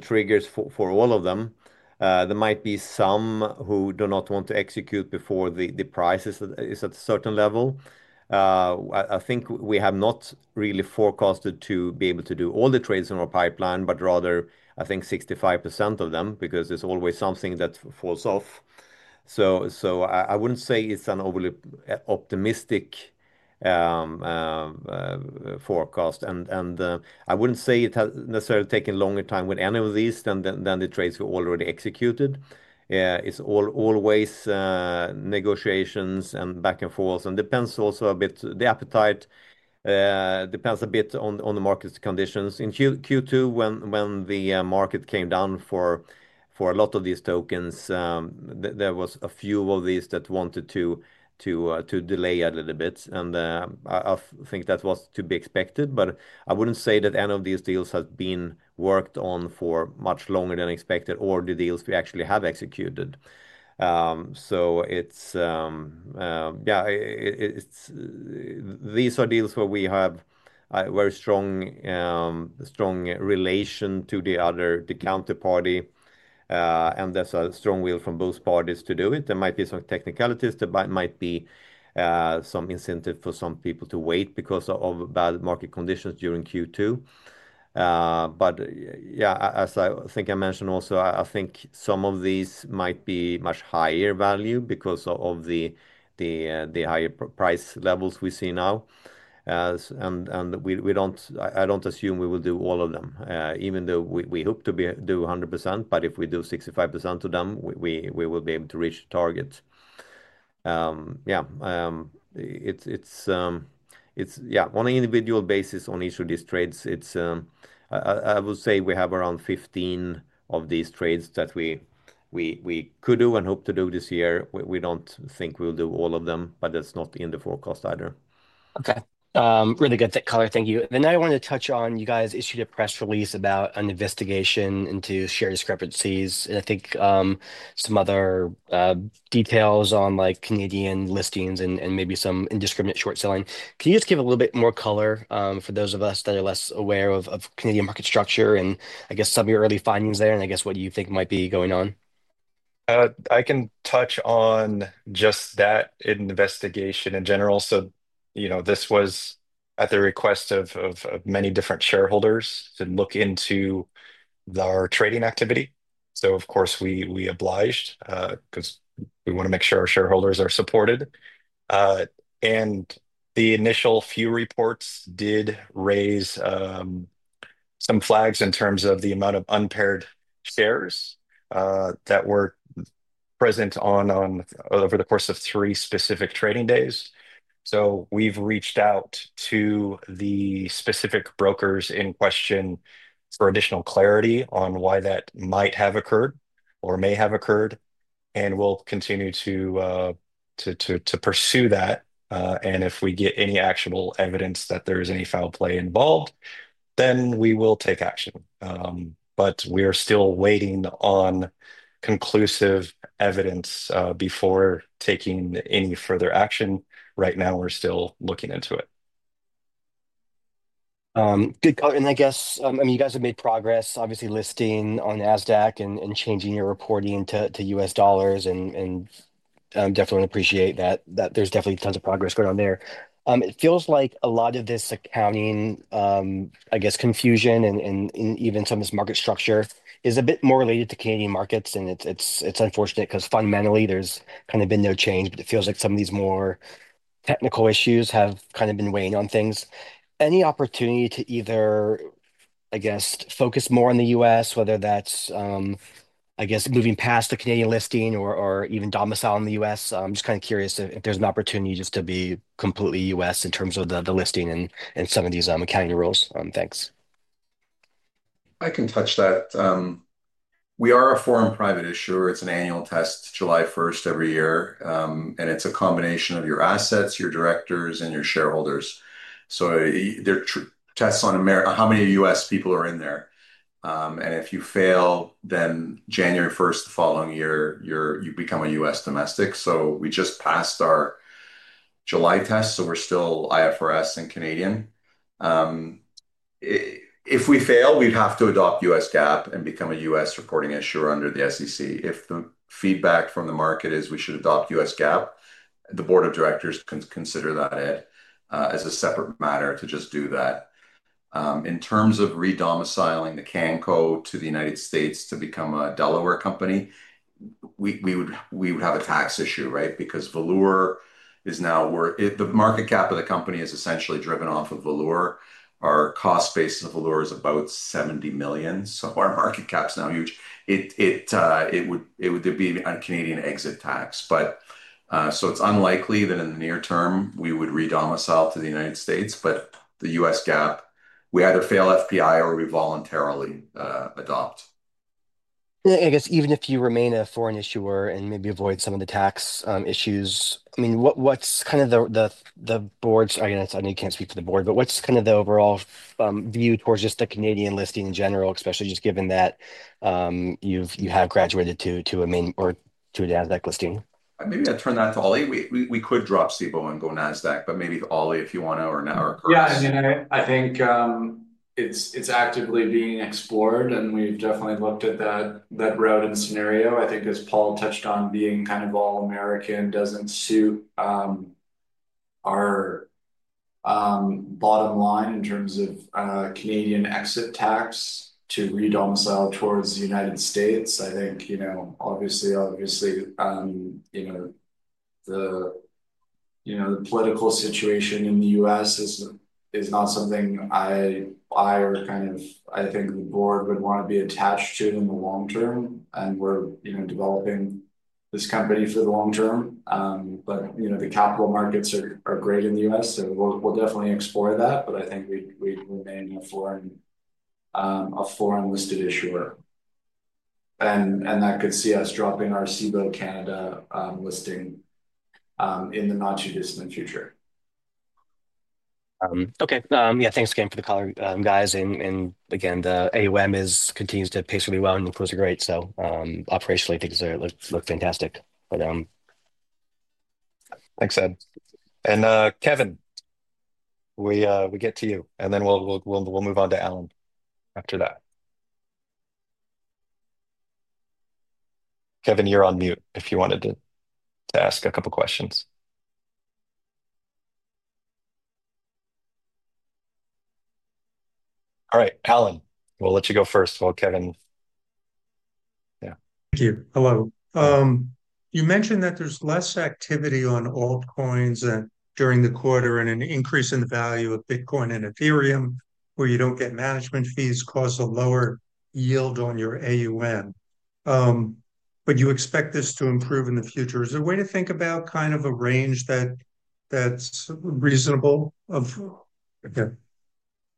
triggers for all of them. There might be some who do not want to execute before the price is at a certain level. I think we have not really forecasted to be able to do all the trades in our pipeline, but rather, I think 65% of them, because there's always something that falls off. I wouldn't say it's an overly optimistic forecast. I wouldn't say it has necessarily taken longer time with any of these than the trades we already executed. It's always negotiations and back and forth. It depends also a bit, the appetite depends a bit on the market's conditions. In Q2, when the market came down for a lot of these tokens, there were a few of these that wanted to delay a little bit. I think that was to be expected, but I wouldn't say that any of these deals have been worked on for much longer than expected or the deals we actually have executed. These are deals where we have a very strong relation to the other, the counterparty. There's a strong will from both parties to do it. There might be some technicalities. There might be some incentive for some people to wait because of bad market conditions during Q2. As I think I mentioned also, I think some of these might be much higher value because of the higher price levels we see now. We don't, I don't assume we will do all of them, even though we hope to do 100%. If we do 65% of them, we will be able to reach targets. On an individual basis on each of these trades, I would say we have around 15 of these trades that we could do and hope to do this year. We don't think we'll do all of them, but that's not in the forecast either. Okay, really good color. Thank you. I wanted to touch on you guys issued a press release about an investigation into share discrepancies. I think some other details on like Canadian listings and maybe some indiscriminate short selling. Can you just give a little bit more color for those of us that are less aware of Canadian market structure and I guess some of your early findings there? I guess what do you think might be going on? I can touch on just that investigation in general. This was at the request of many different shareholders to look into our trading activity. Of course, we obliged because we want to make sure our shareholders are supported. The initial few reports did raise some flags in terms of the amount of unpaired shares that were present over the course of three specific trading days. We have reached out to the specific brokers in question for additional clarity on why that might have occurred or may have occurred. We will continue to pursue that. If we get any actual evidence that there is any foul play involved, then we will take action. We are still waiting on conclusive evidence before taking any further action. Right now, we're still looking into it. I mean, you guys have made progress, obviously listing on NASDAQ and changing your reporting to U.S. dollars. I definitely appreciate that there's definitely tons of progress going on there. It feels like a lot of this accounting confusion and even some of this market structure is a bit more related to Canadian markets. It's unfortunate because fundamentally there's kind of been no change, but it feels like some of these more technical issues have kind of been weighing on things. Any opportunity to either focus more on the U.S., whether that's moving past the Canadian listing or even domiciled in the U.S.? I'm just kind of curious if there's an opportunity just to be completely U.S. in terms of the listing and some of these accounting rules. Thanks. I can touch that. We are a foreign private issuer. It's an annual test July 1 every year, and it's a combination of your assets, your directors, and your shareholders. There are tests on how many U.S. people are in there. If you fail, then January 1 the following year, you become a U.S. domestic. We just passed our July test, so we're still IFRS and Canadian. If we fail, we'd have to adopt U.S. GAAP and become a U.S. reporting issuer under the SEC. If the feedback from the market is we should adopt U.S. GAAP, the Board of Directors can consider that, Ed, as a separate matter to just do that. In terms of re-domiciling the CanCo to the United States to become a Delaware company, we would have a tax issue, right? Because Valour is now where the market cap of the company is essentially driven off of Valour. Our cost base of Valour is about $70 million, so our market cap's now huge. It would be a Canadian exit tax. It is unlikely that in the near term we would re-domicile to the United States. The U.S. GAAP, we either fail FPI or we voluntarily adopt. I guess even if you remain a foreign issuer and maybe avoid some of the tax issues, what's kind of the board's, I guess I can't speak for the board, but what's kind of the overall view towards just the Canadian listing in general, especially just given that you have graduated to a main or to a NASDAQ listing? Maybe I'd turn that to Ollie. We could drop Cboe and go NASDAQ, but maybe Ollie, if you want to.... Yeah, I mean, I think it's actively being explored, and we've definitely looked at that route and scenario. I think as Paul touched on, being kind of all-American doesn't suit our bottom line in terms of Canadian exit tax to re-domicile towards the U.S. I think, obviously, the political situation in the U.S. is not something I or, I think, the board would want to be attached to in the long term. We're developing this company for the long term. The capital markets are great in the U.S., so we'll definitely explore that. I think we'd remain a foreign listed issuer, and that could see us dropping our Cboe Canada listing in the not-too-distant future. Okay, yeah, thanks again for the color, guys. Again, the AUM continues to patiently run. The quotes are great. Operationally, things look fantastic for them. Thanks, Ed. Kevin, we get to you, and then we'll move on to Alan after that. Kevin, you're on mute if you wanted to ask a couple questions. All right, Alan, we'll let you go first while Kevin... Hello. You mentioned that there's less activity on altcoins during the quarter and an increase in the value of Bitcoin and Ethereum, where you don't get management fees caused a lower yield on your AUM. You expect this to improve in the future. Is there a way to think about kind of a range that's reasonable?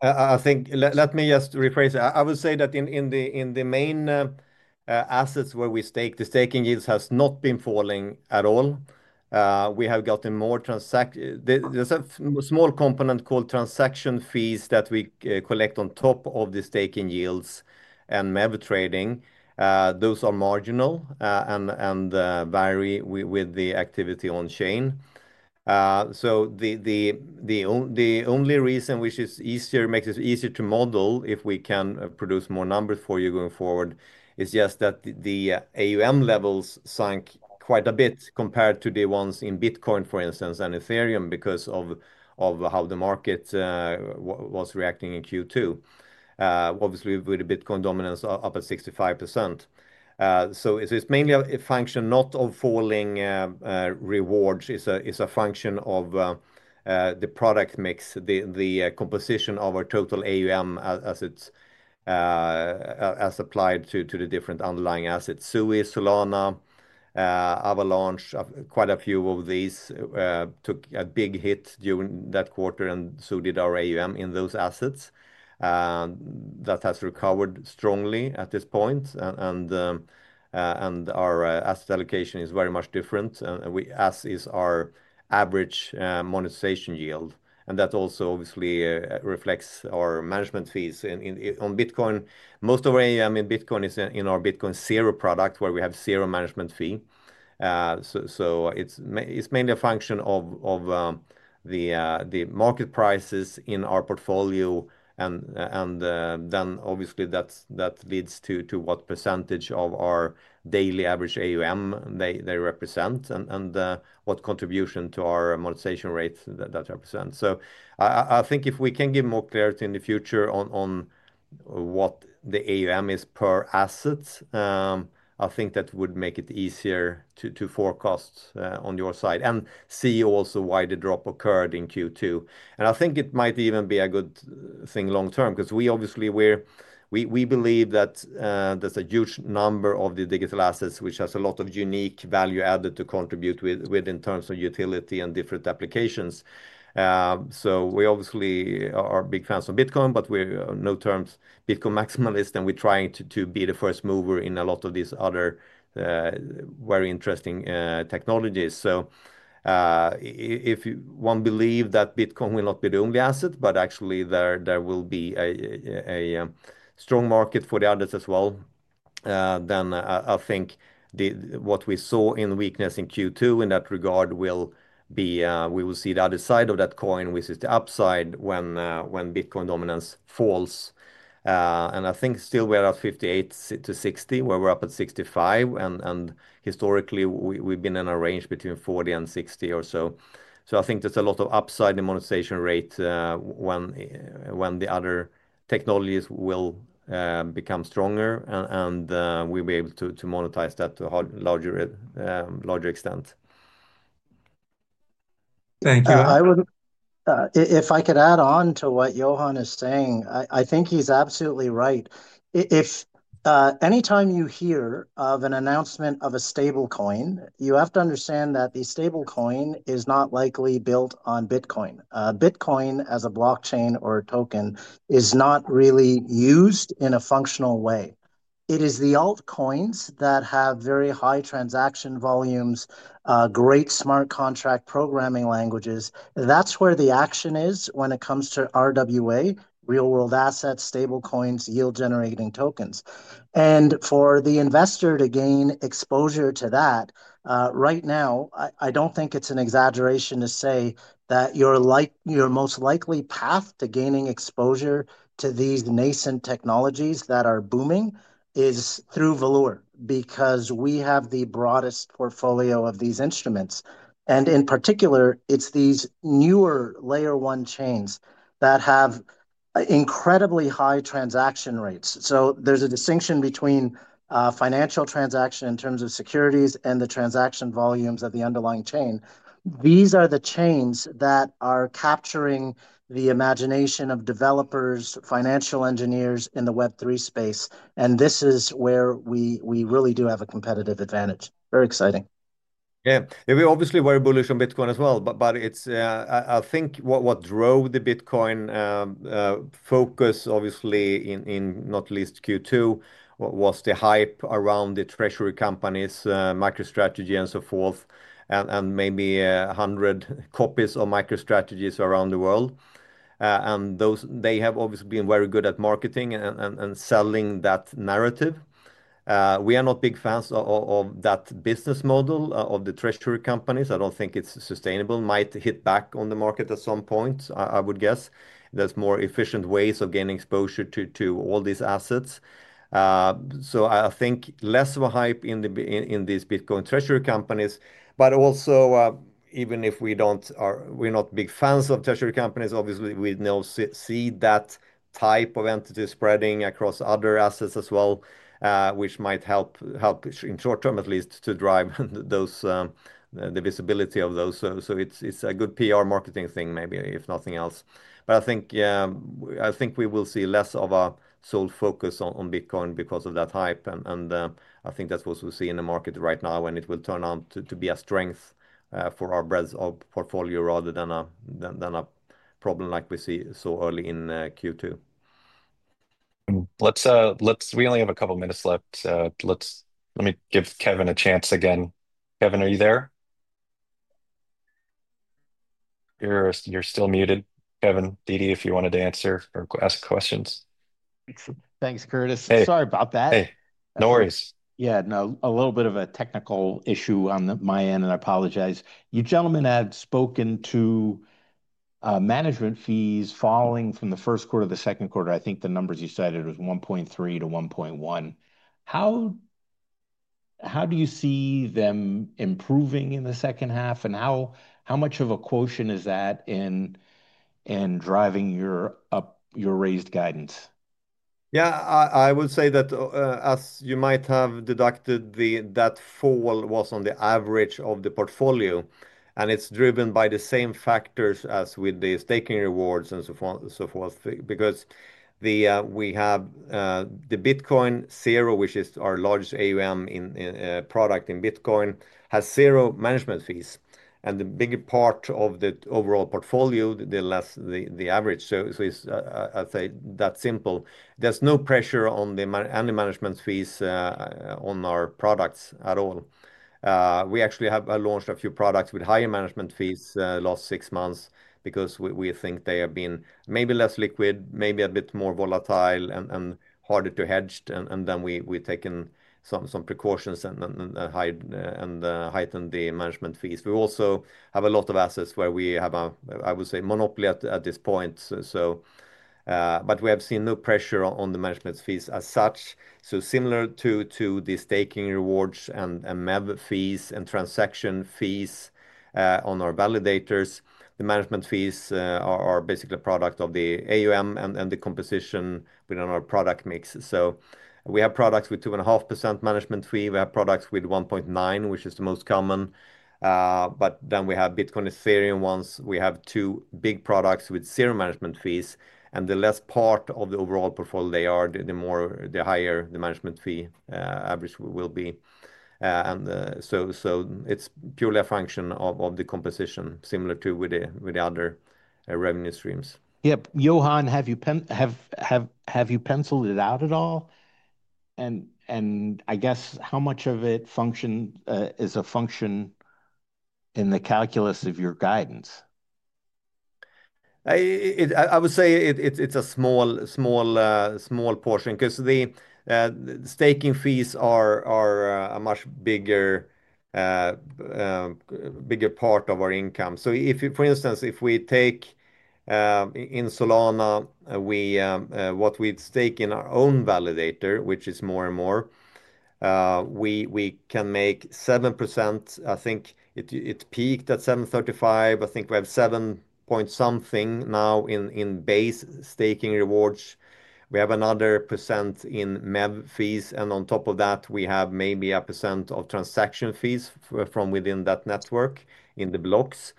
I think, let me just rephrase it. I would say that in the main assets where we stake, the staking yields have not been falling at all. We have gotten more transactions. There's a small component called transaction fees that we collect on top of the staking yields and MEV trading. Those are marginal and vary with the activity on chain. The only reason which makes it easier to model, if we can produce more numbers for you going forward, is just that the AUM levels sank quite a bit compared to the ones in Bitcoin, for instance, and Ethereum because of how the market was reacting in Q2. Obviously, with the Bitcoin dominance up at 65%. It's mainly a function not of falling rewards. It's a function of the product mix, the composition of our total AUM assets as applied to the different underlying assets. SUI, Solana, Avalanche, quite a few of these took a big hit during that quarter, and so did our AUM in those assets. That has recovered strongly at this point. Our asset allocation is very much different, as is our average monetization yield. That also obviously reflects our management fees. On Bitcoin, most of our AUM in Bitcoin is in our Bitcoin Zero product, where we have zero management fee. It's mainly a function of the market prices in our portfolio. That leads to what percentage of our daily average AUM they represent and what contribution to our monetization rate that represents. I think if we can give more clarity in the future on what the AUM is per asset, I think that would make it easier to forecast on your side and see also why the drop occurred in Q2. I think it might even be a good thing long term, because we obviously believe that there's a huge number of the digital assets, which has a lot of unique value added to contribute within terms of utility and different applications. We obviously are big fans of Bitcoin, but we're no Bitcoin maximalist, and we're trying to be the first mover in a lot of these other very interesting technologies. If one believes that Bitcoin will not be the only asset, but actually there will be a strong market for the others as well, then I think what we saw in weakness in Q2 in that regard will be, we will see the other side of that coin, which is the upside, when Bitcoin dominance falls. I think still we're at 58%-60%, where we're up at 65%. Historically, we've been in a range between 40 and 60 or so. I think there's a lot of upside in monetization rate when the other technologies will become stronger, and we'll be able to monetize that to a larger extent. Thank you. If I could add on to what Johan is saying, I think he's absolutely right. If anytime you hear of an announcement of a stablecoin, you have to understand that the stablecoin is not likely built on Bitcoin. Bitcoin as a blockchain or a token is not really used in a functional way. It is the altcoins that have very high transaction volumes, great smart contract programming languages. That's where the action is when it comes to RWA, real-world assets, stablecoins, yield-generating tokens. For the investor to gain exposure to that, right now, I don't think it's an exaggeration to say that your most likely path to gaining exposure to these nascent technologies that are booming is through Valour, because we have the broadest portfolio of these instruments. In particular, it's these newer layer one chains that have incredibly high transaction rates. There is a distinction between financial transaction in terms of securities and the transaction volumes of the underlying chain. These are the chains that are capturing the imagination of developers, financial engineers in the Web3 space. This is where we really do have a competitive advantage. Very exciting. Yeah, we obviously were bullish on Bitcoin as well, but I think what drove the Bitcoin focus, obviously in not least Q2, was the hype around the treasury companies, MicroStrategy and so forth, and maybe 100 copies of MicroStrategy around the world. They have obviously been very good at marketing and selling that narrative. We are not big fans of that business model of the treasury companies. I don't think it's sustainable. It might hit back on the market at some point, I would guess. There are more efficient ways of gaining exposure to all these assets. I think less of a hype in these Bitcoin treasury companies, but also even if we don't, we're not big fans of treasury companies, obviously we now see that type of entity spreading across other assets as well, which might help in short term at least to drive the visibility of those. It's a good PR marketing thing, maybe, if nothing else. I think we will see less of a sole focus on Bitcoin because of that hype. I think that's what we see in the market right now, and it will turn out to be a strength for our breadth of portfolio rather than a problem like we see so early in Q2. Let's really have a couple minutes left. Let me give Kevin a chance again. Kevin, are you there? You're still muted. Kevin, if you wanted to answer or ask questions. Thanks, Curtis. Sorry about that. No worries. Yeah, a little bit of a technical issue on my end, and I apologize. You gentlemen had spoken to management fees falling from the first quarter to the second quarter. I think the numbers you cited were $1.3 million to $1.1 million. How do you see them improving in the second half, and how much of a quotient is that in driving your raised guidance? Yeah, I would say that as you might have deducted, that fall was on the average of the portfolio, and it's driven by the same factors as with the staking rewards and so forth. Because we have the Bitcoin Zero, which is our largest AUM product in Bitcoin, has zero management fees. It's a big part of the overall portfolio, the average, so I'd say that simple. There's no pressure on the management fees on our products at all. We actually have launched a few products with higher management fees the last six months because we think they have been maybe less liquid, maybe a bit more volatile, and harder to hedge. We've taken some precautions and heightened the management fees. We also have a lot of assets where we have, I would say, monopoly at this point. We have seen no pressure on the management fees as such. Similar to the staking rewards and MEV fees and transaction fees on our validators, the management fees are basically a product of the AUM and the composition within our product mix. We have products with 2.5% management fee. We have products with 1.9%, which is the most common. We have Bitcoin and Ethereum ones. We have two big products with zero management fees. The less part of the overall portfolio they are, the higher the management fee average will be. It's purely a function of the composition, similar to the other revenue streams. Yep. Johan, have you penciled it out at all? I guess how much of it is a function in the calculus of your guidance? I would say it's a small portion because the staking fees are a much bigger part of our income. For instance, if we take in Solana, what we'd stake in our own validator, which is More & More, we can make 7%. I think it peaked at 7.35%. I think we have 7 point something now in base staking rewards. We have another % in MEV fees. On top of that, we have maybe a % of transaction fees from within that network in the blocks.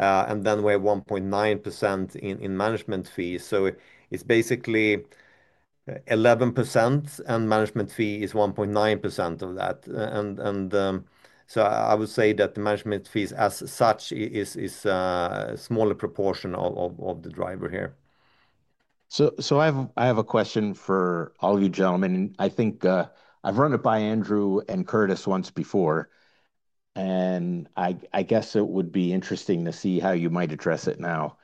We have 1.9% in management fees. It's basically 11% and management fee is 1.9% of that. I would say that the management fees as such is a smaller proportion of the driver here. I have a question for all you gentlemen. I think I've run it by Andrew and Curtis once before. I guess it would be interesting to see how you might address it now.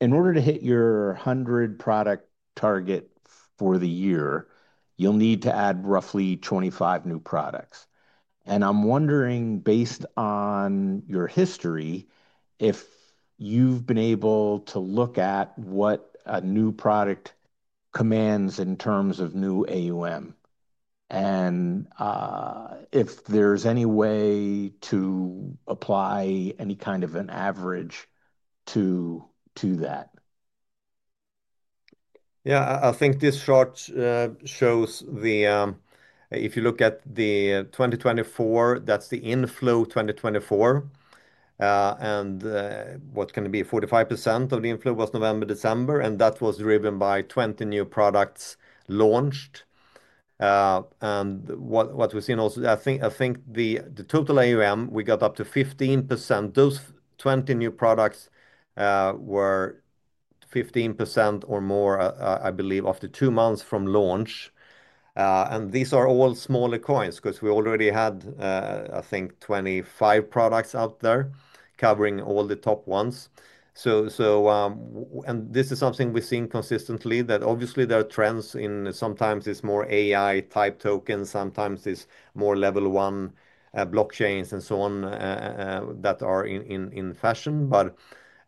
In order to hit your 100 product target for the year, you'll need to add roughly 25 new products. I'm wondering, based on your history, if you've been able to look at what a new product commands in terms of new AUM, and if there's any way to apply any kind of an average to that. Yeah, I think this chart shows the, if you look at the 2024, that's the inflow 2024. If you look at it, 45% of the inflow was November, December. That was driven by 20 new products launched. What we've seen also, I think the total AUM, we got up to 15%. Those 20 new products were 15% or more, I believe, after two months from launch. These are all smaller coins because we already had, I think, 25 products out there covering all the top ones. This is something we've seen consistently, that obviously there are trends in, sometimes it's more AI type tokens, sometimes it's more level one blockchains and so on that are in fashion. What.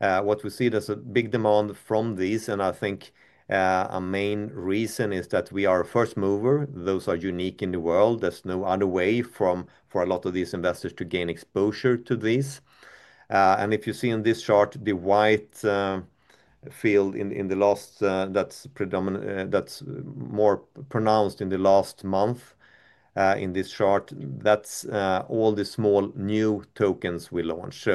There's a big demand from these, and I think a main reason is that we are a first mover. Those are unique in the world. There's no other way for a lot of these investors to gain exposure to these. If you see on this chart, the white field in the last, that's predominant, that's more pronounced in the last month in this chart, that's all the small new tokens we launch.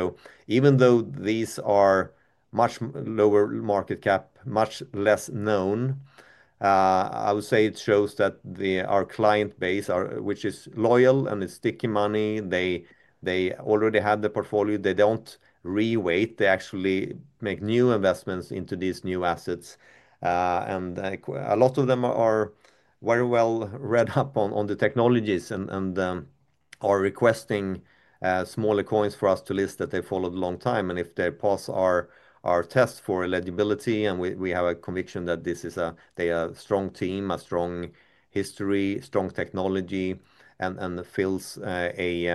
Even though these are much lower market cap, much less known, I would say it shows that our client base, which is loyal and is sticky money, they already have the portfolio. They don't re-weight. They actually make new investments into these new assets. A lot of them are very well read up on the technologies and are requesting smaller coins for us to list that they followed a long time. If they pass our test for eligibility, and we have a conviction that this is a, they are a strong team, a strong history, strong technology, and fills a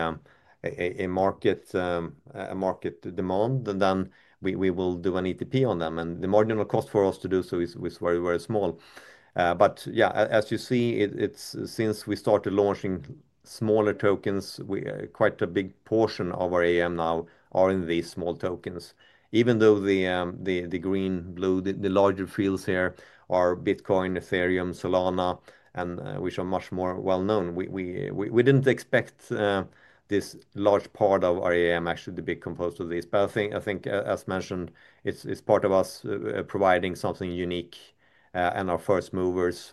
market, a market demand, then we will do an ETP on them. The marginal cost for us to do so is very, very small. As you see, since we started launching smaller tokens, quite a big portion of our AUM now are in these small tokens. Even though the green, blue, the larger fields here are Bitcoin, Ethereum, Solana, which are much more well known. We didn't expect this large part of our AUM actually to be composed of these, but I think, as mentioned, it's part of us providing something unique, and our first movers.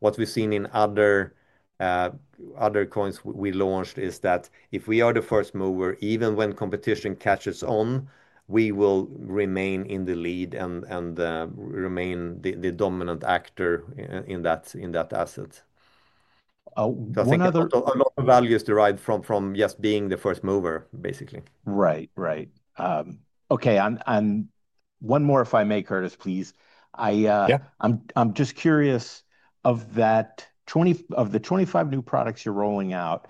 What we've seen in other coins we launched is that if we are the first mover, even when competition catches on, we will remain in the lead and remain the dominant actor in that asset. Oh, one other. A lot of value is derived from just being the first mover, basically. Right, right. Okay. One more, if I may, Curtis, please. I'm just curious, of the 25 new products you're rolling out,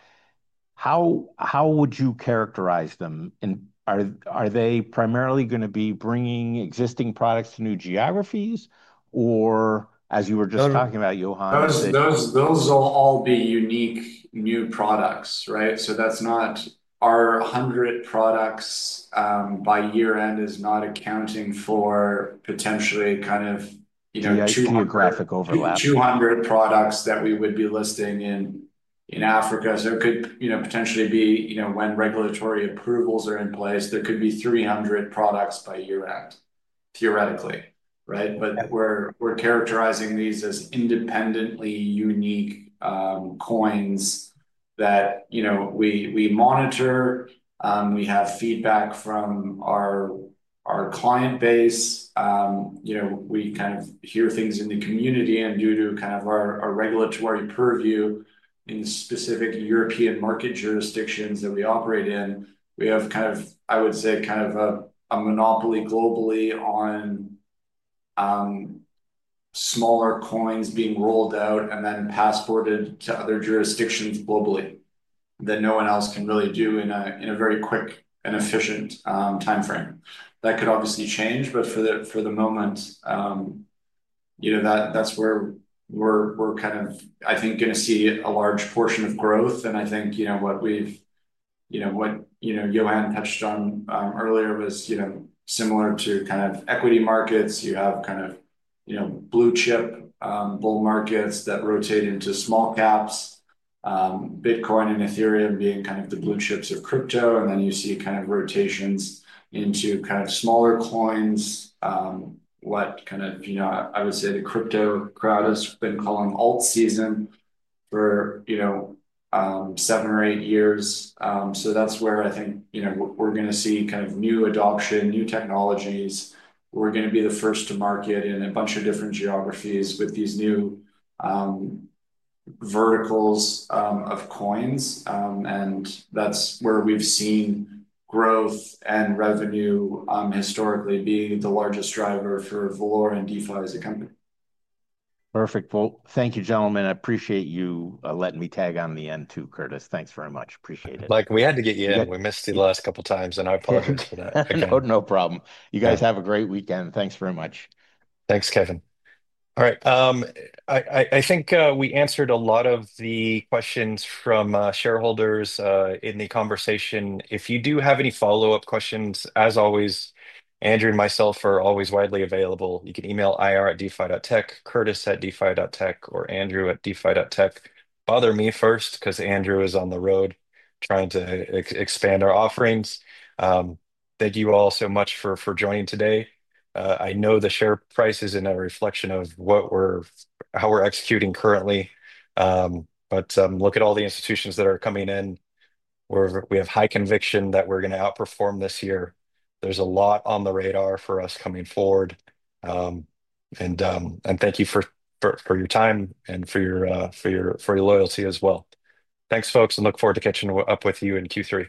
how would you characterize them? Are they primarily going to be bringing existing products to new geographies, or, as you were just talking about, Johan? Those will all be unique new products, right? That's not our hundred products by year end, it's not accounting for potentially kind of, you know, 200 products that we would be listing in Africa. It could potentially be, you know, when regulatory approvals are in place, there could be 300 products by year end, theoretically, right? We're characterizing these as independently unique coins that we monitor. We have feedback from our client base. You know, we kind of hear things in the community and due to our regulatory purview in specific European market jurisdictions that we operate in, we have, I would say, kind of a monopoly globally on smaller coins being rolled out and then passed forward to other jurisdictions globally. No one else can really do in a very quick and efficient timeframe. That could obviously change, but for the moment, that's where we're, I think, going to see a large portion of growth. I think what we've, you know, what Johan Wattenstrom touched on earlier was, similar to equity markets, you have blue chip bull markets that rotate into small caps, Bitcoin and Ethereum being the blue chips of crypto. Then you see rotations into smaller coins, what the crypto crowd has been calling alt season for seven or eight years. That's where I think we're going to see new adoption, new technologies. We're going to be the first to market in a bunch of different geographies with these new verticals of coins, and that's where we've seen growth and revenue historically be the largest driver for Valour and DeFi Technologies as a company. Perfect. Thank you, gentlemen. I appreciate you letting me tag on the end too, Curtis. Thanks very much. Appreciate it. Mike, we had to get you in. We missed you the last couple of times, and I apologize for that. Oh, no problem. You guys have a great weekend. Thanks very much. Thanks, Kevin. All right. I think we answered a lot of the questions from shareholders in the conversation. If you do have any follow-up questions, as always, Andrew and myself are always widely available. You can email IR@DeFi.Tech, Curtis@DeFi.Tech, or Andrew@DeFi.Tech. Bother me first because Andrew is on the road trying to expand our offerings. Thank you all so much for joining today. I know the share price isn't a reflection of how we're executing currently. Look at all the institutions that are coming in. We have high conviction that we're going to outperform this year. There's a lot on the radar for us coming forward. Thank you for your time and for your loyalty as well. Thanks, folks, and look forward to catching up with you in two or three.